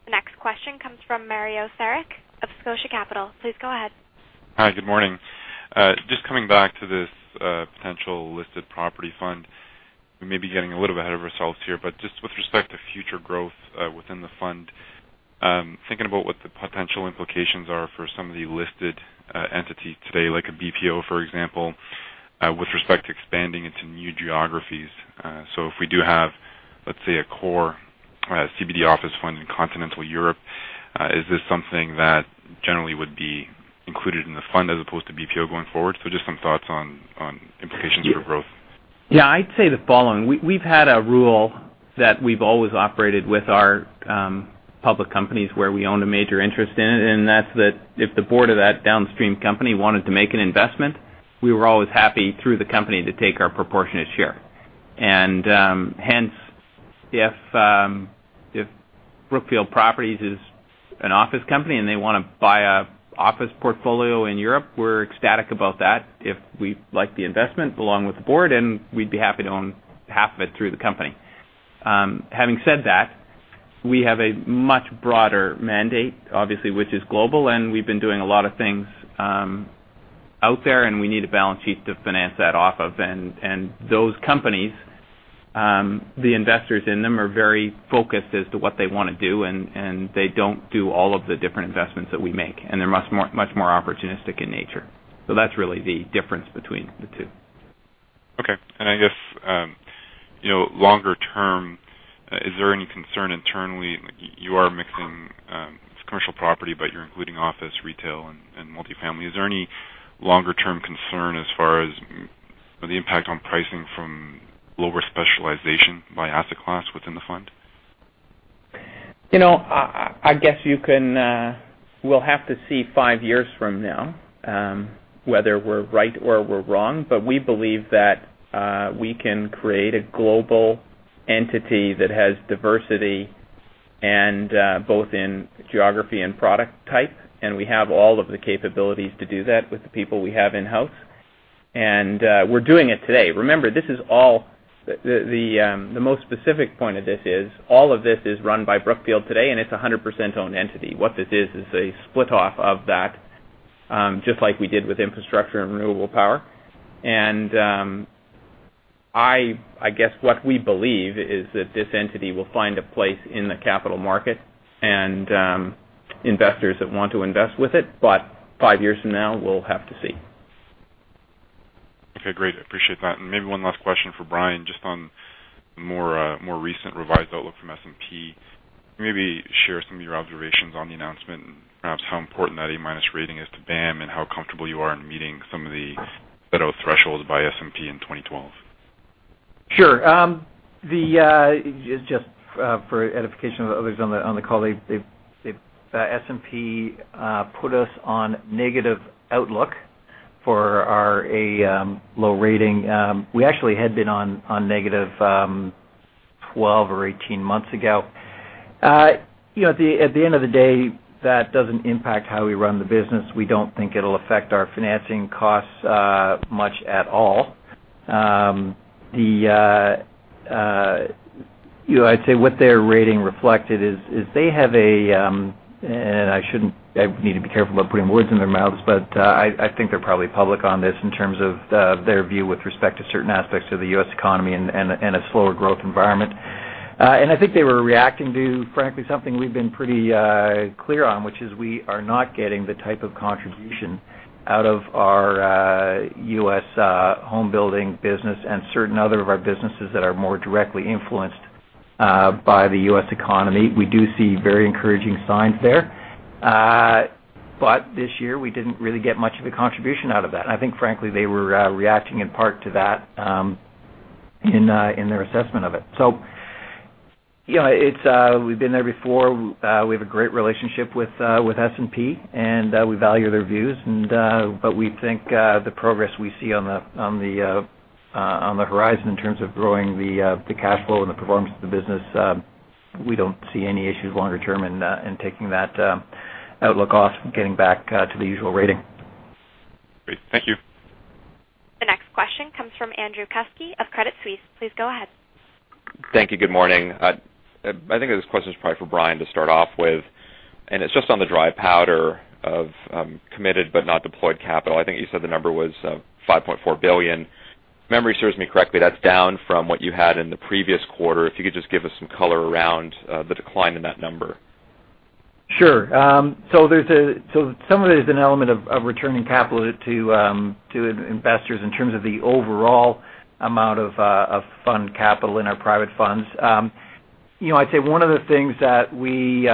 The next question comes from Mario Seric of Scotia Capital. Please go ahead. Hi, good morning. Just coming back to this potential listed property fund, we may be getting a little bit ahead of ourselves here, but just with respect to future growth within the fund, thinking about what the potential implications are for some of the listed entities today, like a BPO, for example, with respect to expanding into new geographies. If we do have, let's say, a core CBD office fund in continental Europe, is this something that generally would be included in the fund as opposed to BPO going forward? Just some thoughts on implications for growth. Yeah, I'd say the following. We've had a rule that we've always operated with our public companies where we owned a major interest in it, and that's that if the board of that downstream company wanted to make an investment, we were always happy through the company to take our proportionate share. Hence, if Brookfield Properties is an office company and they want to buy an office portfolio in Europe, we're ecstatic about that. If we like the investment along with the board, then we'd be happy to own half of it through the company. Having said that, we have a much broader mandate, obviously, which is global, and we've been doing a lot of things out there, and we need a balance sheet to finance that off of. Those companies, the investors in them are very focused as to what they want to do, and they don't do all of the different investments that we make, and they're much more opportunistic in nature. That's really the difference between the two. Okay, and I guess, you know, longer term, is there any concern internally? You are mixing commercial property, but you're including office, retail, and multifamily. Is there any longer-term concern as far as the impact on pricing from lower specialization by asset class within the fund? You know, I guess we'll have to see five years from now whether we're right or we're wrong, but we believe that we can create a global entity that has diversity both in geography and product type, and we have all of the capabilities to do that with the people we have in-house, and we're doing it today. Remember, the most specific point of this is all of this is run by Brookfield today, and it's a 100% owned entity. What this is, is a split-off of that, just like we did with infrastructure and renewable power. I guess what we believe is that this entity will find a place in the capital market and investors that want to invest with it, but five years from now, we'll have to see. Okay, great, I appreciate that. Maybe one last question for Brian, just on the more recent revised outlook from S&P. Maybe share some of your observations on the announcement and perhaps how important that A-minus rating is to Brookfield Asset Management and how comfortable you are in meeting some of the set of thresholds by S&P in 2012. Sure. Just for edification of others on the call, S&P put us on a negative outlook for our A-minus rating. We actually had been on a negative 12 months or 18 months ago. At the end of the day, that doesn't impact how we run the business. We don't think it'll affect our financing costs much at all. I'd say what their rating reflected is they have a, and I shouldn't, I need to be careful about putting words in their mouths, but I think they're probably public on this in terms of their view with respect to certain aspects of the U.S. economy and a slower growth environment. I think they were reacting to, frankly, something we've been pretty clear on, which is we are not getting the type of contribution out of our U.S. home building business and certain other of our businesses that are more directly influenced by the U.S. economy. We do see very encouraging signs there, but this year we didn't really get much of a contribution out of that. I think, frankly, they were reacting in part to that in their assessment of it. We've been there before. We have a great relationship with S&P, and we value their views, but we think the progress we see on the horizon in terms of growing the cash flow and the performance of the business, we don't see any issues longer term in taking that outlook off, getting back to the usual rating. Great, thank you. The next question comes from Andrew Willis of Credit Suisse. Please go ahead. Thank you, good morning. I think this question is probably for Brian to start off with, and it's just on the dry powder of committed but not deployed capital. I think you said the number was $5.4 billion. If memory serves me correctly, that's down from what you had in the previous quarter. If you could just give us some color around the decline in that number. Sure. Some of it is an element of returning capital to investors in terms of the overall amount of fund capital in our private funds. I'd say one of the things that we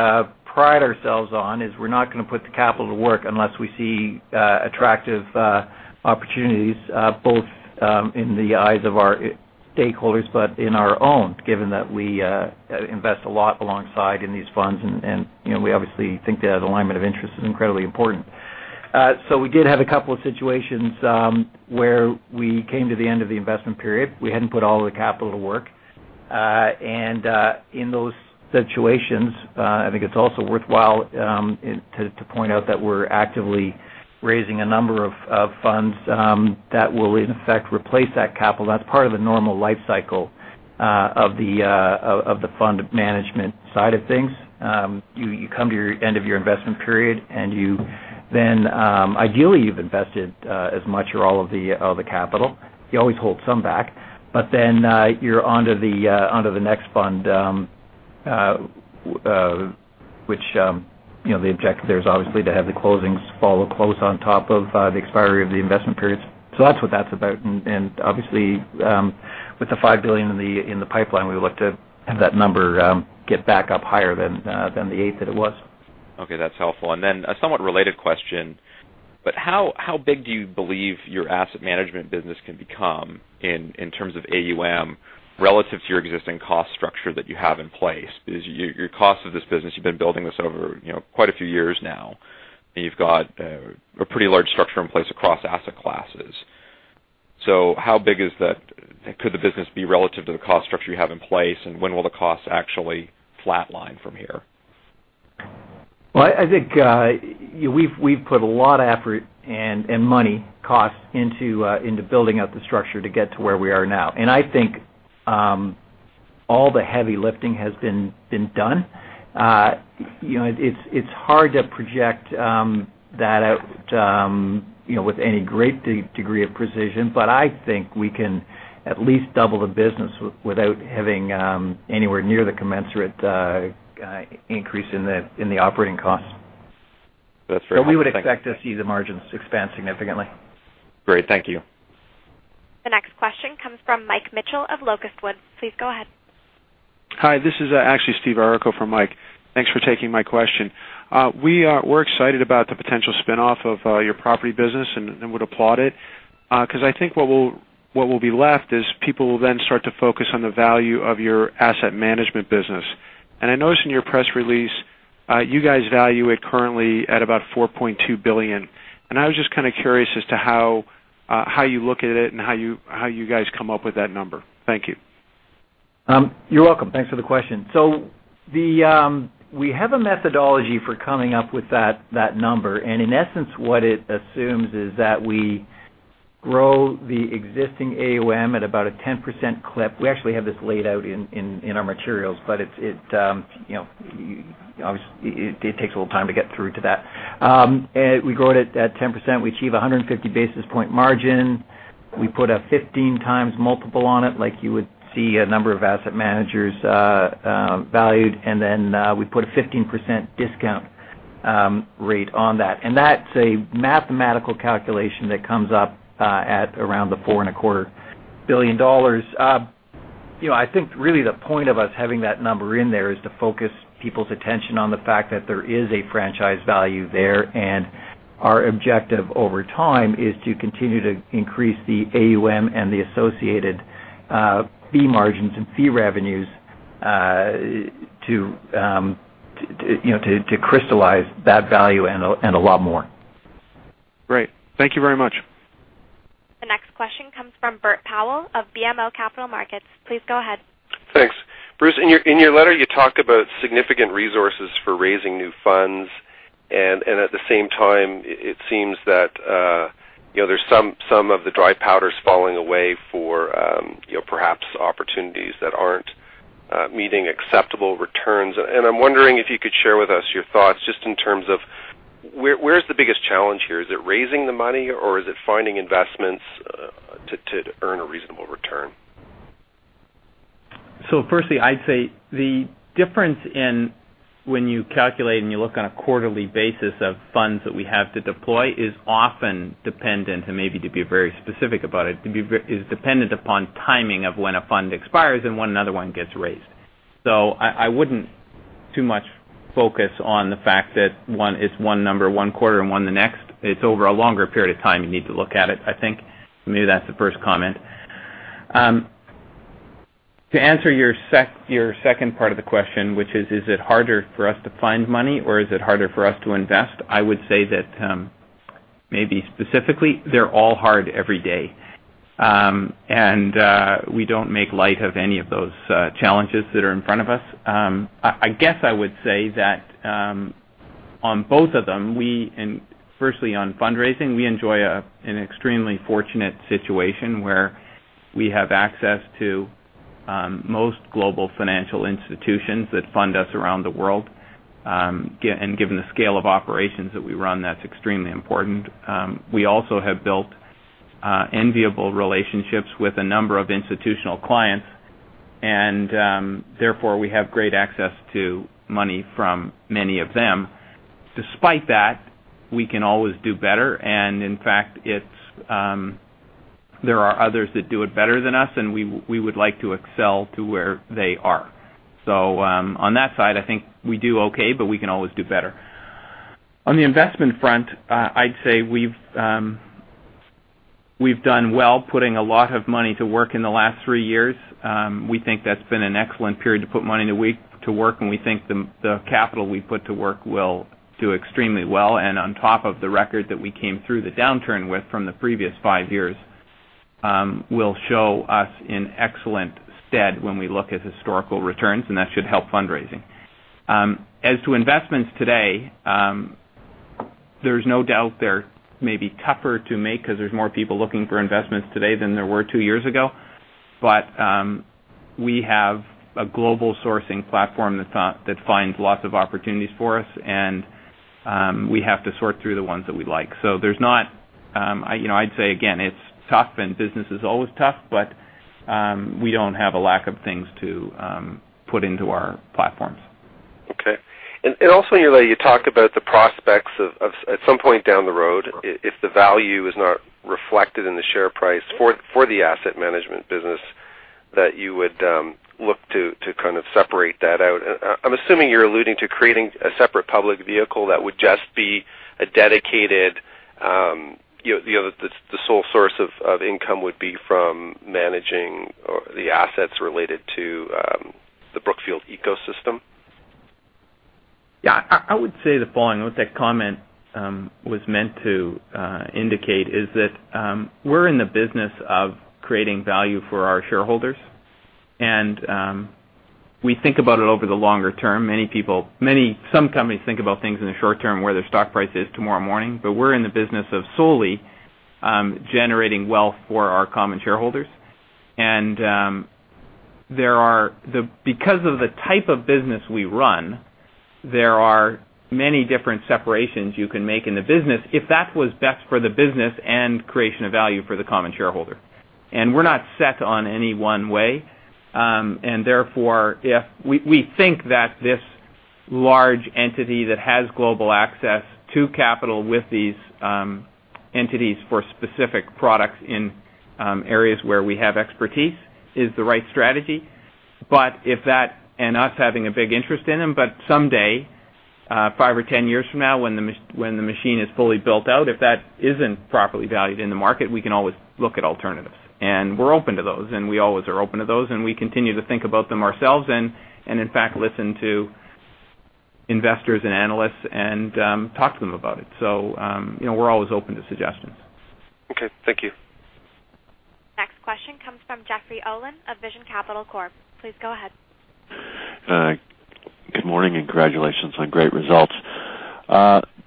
pride ourselves on is we're not going to put the capital to work unless we see attractive opportunities, both in the eyes of our stakeholders but in our own, given that we invest a lot alongside in these funds, and we obviously think that alignment of interest is incredibly important. We did have a couple of situations where we came to the end of the investment period. We hadn't put all of the capital to work, and in those situations, I think it's also worthwhile to point out that we're actively raising a number of funds that will, in effect, replace that capital. That's part of the normal life cycle of the fund management side of things. You come to the end of your investment period, and ideally, you've invested as much or all of the capital. You always hold some back, but then you're onto the next fund, which the objective there is obviously to have the closings follow close on top of the expiry of the investment periods. That's what that's about, and obviously, with the $5 billion in the pipeline, we would like to have that number get back up higher than the $8 billion that it was. Okay, that's helpful. A somewhat related question, how big do you believe your asset management business can become in terms of AUM relative to your existing cost structure that you have in place? Your cost of this business, you've been building this over quite a few years now, and you've got a pretty large structure in place across asset classes. How big could the business be relative to the cost structure you have in place, and when will the costs actually flatline from here? I think we've put a lot of effort and money, costs, into building out the structure to get to where we are now, and I think all the heavy lifting has been done. You know, it's hard to project that out with any great degree of precision, but I think we can at least double the business without having anywhere near the commensurate increase in the operating costs. That's very interesting. We would expect to see the margins expand significantly. Great, thank you. The next question comes from Mike Mitchell of Locust Woods. Please go ahead. Hi, this is actually Steve Errico from Mike. Thanks for taking my question. We're excited about the potential spin-off of your property business and would applaud it because I think what will be left is people will then start to focus on the value of your asset management business. I noticed in your press release, you guys value it currently at about $4.2 billion, and I was just kind of curious as to how you look at it and how you guys come up with that number. Thank you. You're welcome. Thanks for the question. We have a methodology for coming up with that number, and in essence, what it assumes is that we grow the existing AUM at about a 10% clip. We actually have this laid out in our materials, but it takes a little time to get through to that. We grow it at 10%. We achieve 150 basis point margin. We put a 15 times multiple on it like you would see a number of asset managers valued, and then we put a 15% discount rate on that. That's a mathematical calculation that comes up at around the $4.25 billion. I think really the point of us having that number in there is to focus people's attention on the fact that there is a franchise value there, and our objective over time is to continue to increase the AUM and the associated fee margins and fee revenues to crystallize that value and a lot more. Great, thank you very much. The next question comes from Bert Powell of BMO Capital Markets. Please go ahead. Thanks. Bruce, in your letter, you talked about significant resources for raising new funds, and at the same time, it seems that some of the dry powder is falling away for perhaps opportunities that aren't meeting acceptable returns. I'm wondering if you could share with us your thoughts just in terms of where's the biggest challenge here. Is it raising the money, or is it finding investments to earn a reasonable return? Firstly, I'd say the difference in when you calculate and you look on a quarterly basis of funds that we have to deploy is often dependent, and maybe to be very specific about it, is dependent upon timing of when a fund expires and when another one gets raised. I wouldn't too much focus on the fact that one is one number, one quarter, and one the next. It's over a longer period of time you need to look at it, I think. Maybe that's the first comment. To answer your second part of the question, which is, is it harder for us to find money, or is it harder for us to invest? I would say that maybe specifically, they're all hard every day, and we don't make light of any of those challenges that are in front of us. I guess I would say that on both of them, firstly on fundraising, we enjoy an extremely fortunate situation where we have access to most global financial institutions that fund us around the world, and given the scale of operations that we run, that's extremely important. We also have built enviable relationships with a number of institutional clients, and therefore, we have great access to money from many of them. Despite that, we can always do better, and in fact, there are others that do it better than us, and we would like to excel to where they are. On that side, I think we do okay, but we can always do better. On the investment front, I'd say we've done well putting a lot of money to work in the last three years. We think that's been an excellent period to put money to work, and we think the capital we put to work will do extremely well, and on top of the record that we came through the downturn with from the previous five years will show us an excellent stead when we look at historical returns, and that should help fundraising. As to investments today, there's no doubt they're maybe tougher to make because there's more people looking for investments today than there were two years ago, but we have a global sourcing platform that finds lots of opportunities for us, and we have to sort through the ones that we like. I'd say, again, it's tough, and business is always tough, but we don't have a lack of things to put into our platforms. Okay, also in your letter, you talked about the prospects of at some point down the road, if the value is not reflected in the share price for the asset management business, that you would look to kind of separate that out. I'm assuming you're alluding to creating a separate public vehicle that would just be a dedicated, the sole source of income would be from managing the assets related to the Brookfield ecosystem. I would say the following: what that comment was meant to indicate is that we're in the business of creating value for our shareholders, and we think about it over the longer term. Many people, some companies, think about things in the short term, where their stock price is tomorrow morning, but we're in the business of solely generating wealth for our common shareholders. Because of the type of business we run, there are many different separations you can make in the business if that was best for the business and creation of value for the common shareholder. We're not set on any one way, and therefore, we think that this large entity that has global access to capital, with these entities for specific products in areas where we have expertise, is the right strategy. If that and us having a big interest in them, but someday, five or 10 years from now, when the machine is fully built out, if that isn't properly valued in the market, we can always look at alternatives. We're open to those, and we always are open to those, and we continue to think about them ourselves and, in fact, listen to investors and analysts and talk to them about it. We're always open to suggestions. Okay, thank you. Next question comes from Jeffrey Olin of Vision Capital Corp. Please go ahead. Good morning, and congratulations on great results.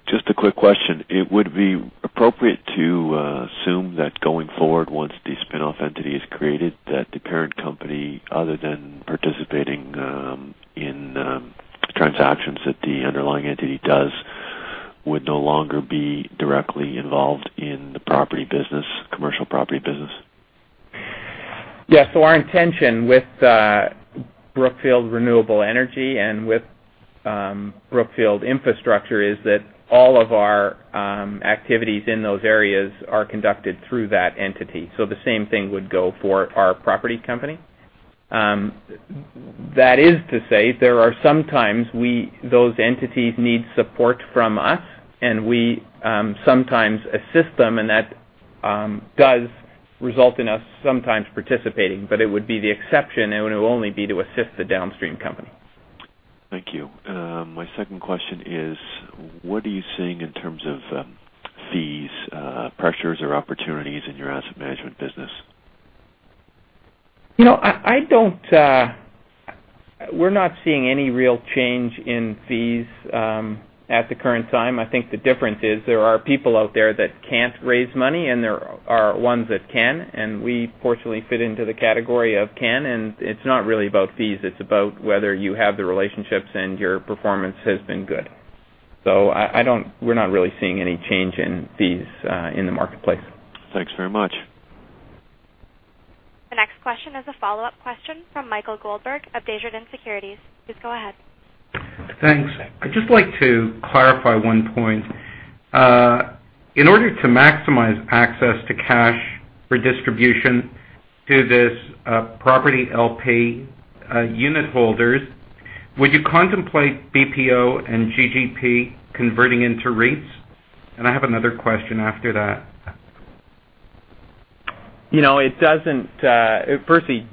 Just a quick question. Is it appropriate to assume that going forward, once the spin-off entity is created, the parent company, other than participating in transactions that the underlying entity does, would no longer be directly involved in the property business, commercial property business? Yeah, our intention with Brookfield Renewable Partners and with Brookfield Infrastructure Partners is that all of our activities in those areas are conducted through that entity. The same thing would go for our property company. That is to say, there are sometimes those entities need support from us, and we sometimes assist them, and that does result in us sometimes participating, but it would be the exception, and it would only be to assist the downstream company. Thank you. My second question is, what are you seeing in terms of fees, pressures, or opportunities in your asset management business? We're not seeing any real change in fees at the current time. I think the difference is there are people out there that can't raise money, and there are ones that can, and we fortunately fit into the category of can. It's not really about fees. It's about whether you have the relationships and your performance has been good. We're not really seeing any change in fees in the marketplace. Thanks very much. The next question is a follow-up question from Michael Goldberg of Desjardins Securities. Please go ahead. Thanks. I'd just like to clarify one point. In order to maximize access to cash for distribution to this property LP unit holders, would you contemplate BPO and General Growth Properties converting into REITs? I have another question after that. It doesn't, firstly,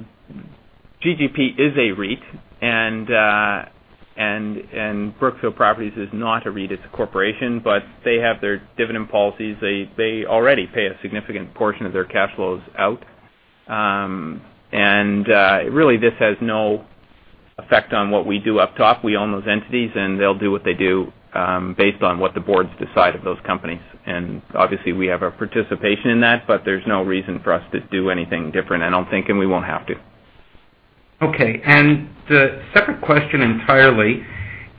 General Growth Properties is a REIT, and Brookfield Properties is not a REIT. It's a corporation, but they have their dividend policies. They already pay a significant portion of their cash flows out, and really, this has no effect on what we do up top. We own those entities, and they'll do what they do based on what the boards decide of those companies, and obviously, we have a participation in that, but there's no reason for us to do anything different, I don't think, and we won't have to. Okay, a separate question entirely.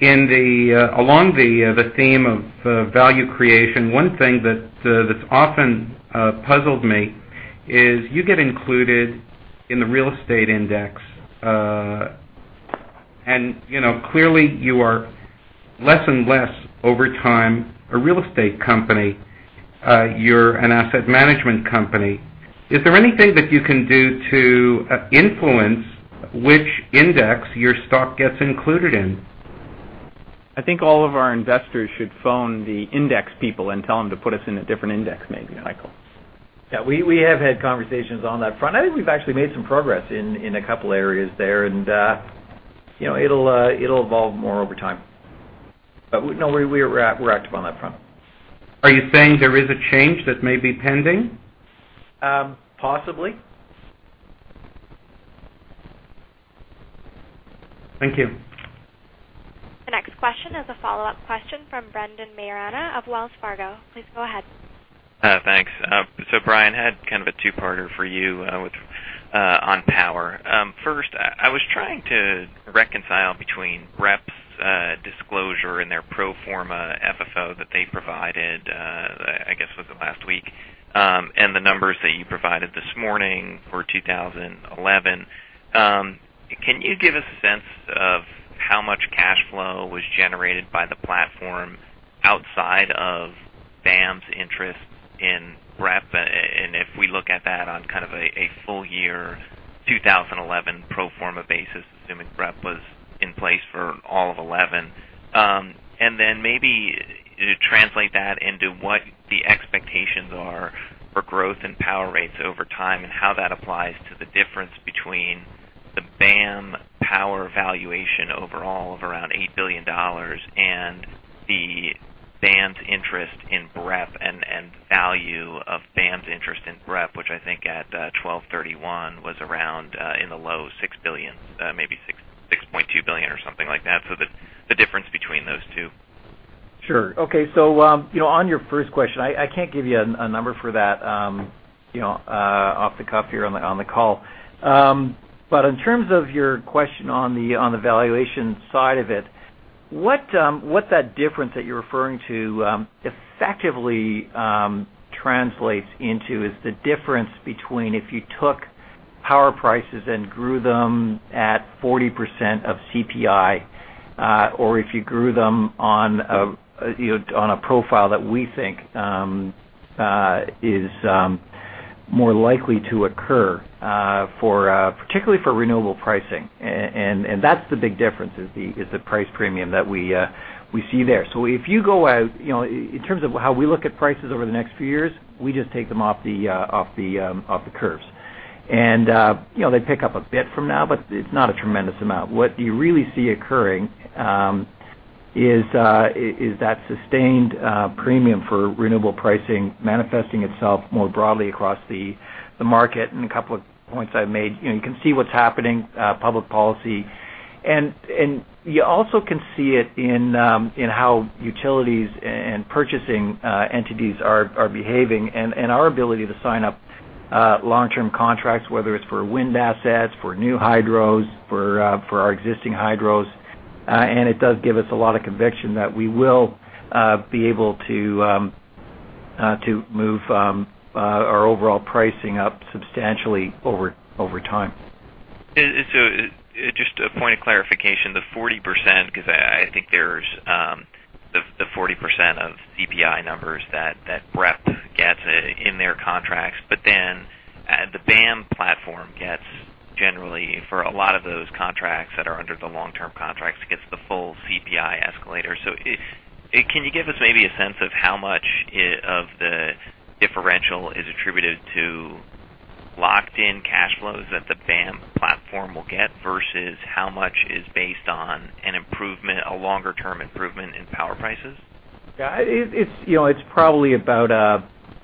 Along the theme of value creation, one thing that's often puzzled me is you get included in the real estate index, and you know, clearly, you are less and less over time a real estate company. You're an asset management company. Is there anything that you can do to influence which index your stock gets included in? I think all of our investors should phone the index people and tell them to put us in a different index, maybe, Michael. We have had conversations on that front. I think we've actually made some progress in a couple areas there, and you know, it'll evolve more over time. We're active on that front. Are you saying there is a change that may be pending? Possibly. Thank you. The next question is a follow-up question from Brendan Marana of Wells Fargo. Please go ahead. Thanks. Brian, I had kind of a two-parter for you on power. First, I was trying to reconcile between Rep's disclosure and their pro forma FFO that they provided, I guess it was last week, and the numbers that you provided this morning for 2011. Can you give us a sense of how much cash flow was generated by the platform outside of Brookfield Asset Management's interest in Rep? If we look at that on kind of a full-year 2011 pro forma basis, assuming Rep was in place for all of 2011, and then maybe translate that into what the expectations are for growth and power rates over time and how that applies to the difference between the Brookfield Asset Management power valuation overall of around $8 billion and Brookfield Asset Management's interest in Rep and the value of Brookfield Asset Management's interest in Rep, which I think at 12/31 was around in the low $6 billion, maybe $6.2 billion or something like that. The difference between those two. Sure, okay, on your first question, I can't give you a number for that off the cuff here on the call, but in terms of your question on the valuation side of it, what that difference that you're referring to effectively translates into is the difference between if you took power prices and grew them at 40% of CPI or if you grew them on a profile that we think is more likely to occur, particularly for renewable pricing, and that's the big difference, the price premium that we see there. If you go out, in terms of how we look at prices over the next few years, we just take them off the curves, and they pick up a bit from now, but it's not a tremendous amount. What you really see occurring is that sustained premium for renewable pricing manifesting itself more broadly across the market, and a couple of points I've made, you can see what's happening, public policy, and you also can see it in how utilities and purchasing entities are behaving and our ability to sign up long-term contracts, whether it's for wind assets, for new hydros, for our existing hydros, and it does give us a lot of conviction that we will be able to move our overall pricing up substantially over time. Just a point of clarification, the 40%, because I think there's the 40% of CPI numbers that Brookfield Renewable Partners gets in their contracts, but then the Brookfield Asset Management platform gets generally for a lot of those contracts that are under the long-term contracts, it gets the full CPI escalator. Can you give us maybe a sense of how much of the differential is attributed? to locked-in cash flows that the Brookfield Asset Management platform will get versus how much is based on an improvement, a longer-term improvement in power prices? Yeah, it's probably about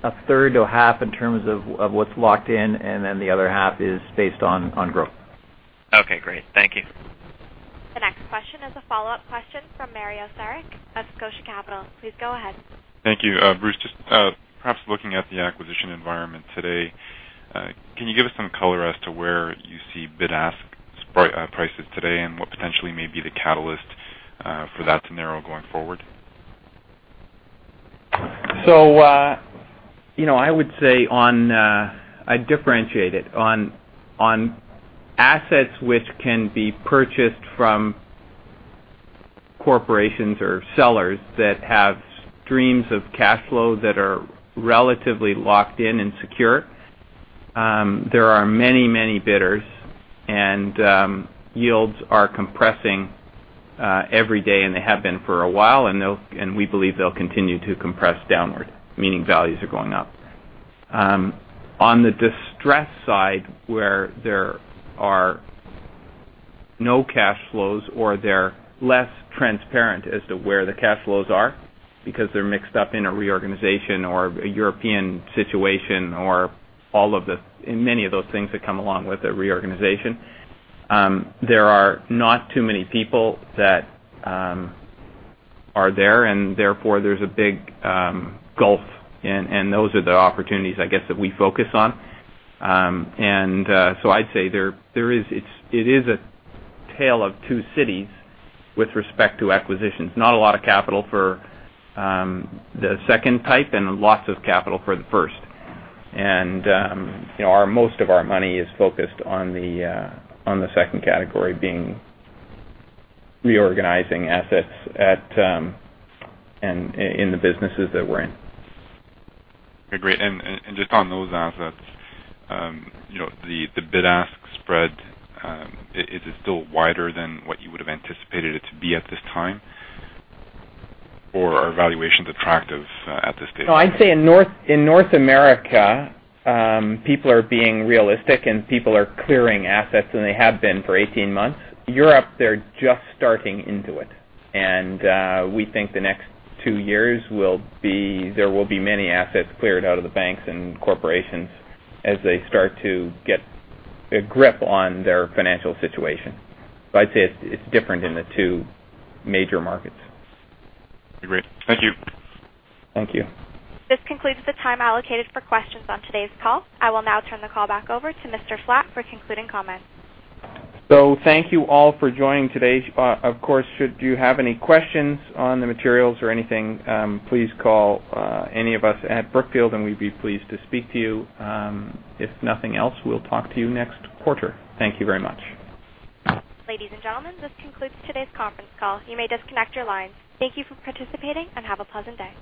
a third to a half in terms of what's locked in, and then the other half is based on growth. Okay, great. Thank you. The next question is a follow-up question from Mario Seric of Scotia Capital. Please go ahead. Thank you. Bruce, just perhaps looking at the acquisition environment today, can you give us some color as to where you see bid-ask prices today and what potentially may be the catalyst for that scenario going forward? I would differentiate it on assets which can be purchased from corporations or sellers that have streams of cash flow that are relatively locked in and secure. There are many, many bidders, and yields are compressing every day, and they have been for a while. We believe they'll continue to compress downward, meaning values are going up. On the distressed side, where there are no cash flows or they're less transparent as to where the cash flows are because they're mixed up in a reorganization or a European situation or many of those things that come along with a reorganization, there are not too many people that are there, and therefore there's a big gulf, and those are the opportunities, I guess, that we focus on. I'd say it is a tale of two cities with respect to acquisitions. Not a lot of capital for the second type and lots of capital for the first. Most of our money is focused on the second category, being reorganizing assets in the businesses that we're in. Okay, great. Just on those assets, you know, the bid ask spread, is it still wider than what you would have anticipated it to be at this time? Are valuations attractive at this stage? No, I'd say in North America, people are being realistic and people are clearing assets, and they have been for 18 months. Europe, they're just starting into it. We think the next two years will be, there will be many assets cleared out of the banks and corporations as they start to get a grip on their financial situation. I'd say it's different in the two major markets. Great. Thank you. Thank you. This concludes the time allocated for questions on today's call. I will now turn the call back over to Mr. Flatt for concluding comments. Thank you all for joining today. Of course, should you have any questions on the materials or anything, please call any of us at Brookfield, and we'd be pleased to speak to you. If nothing else, we'll talk to you next quarter. Thank you very much. Ladies and gentlemen, this concludes today's conference call. You may disconnect your lines. Thank you for participating and have a pleasant day.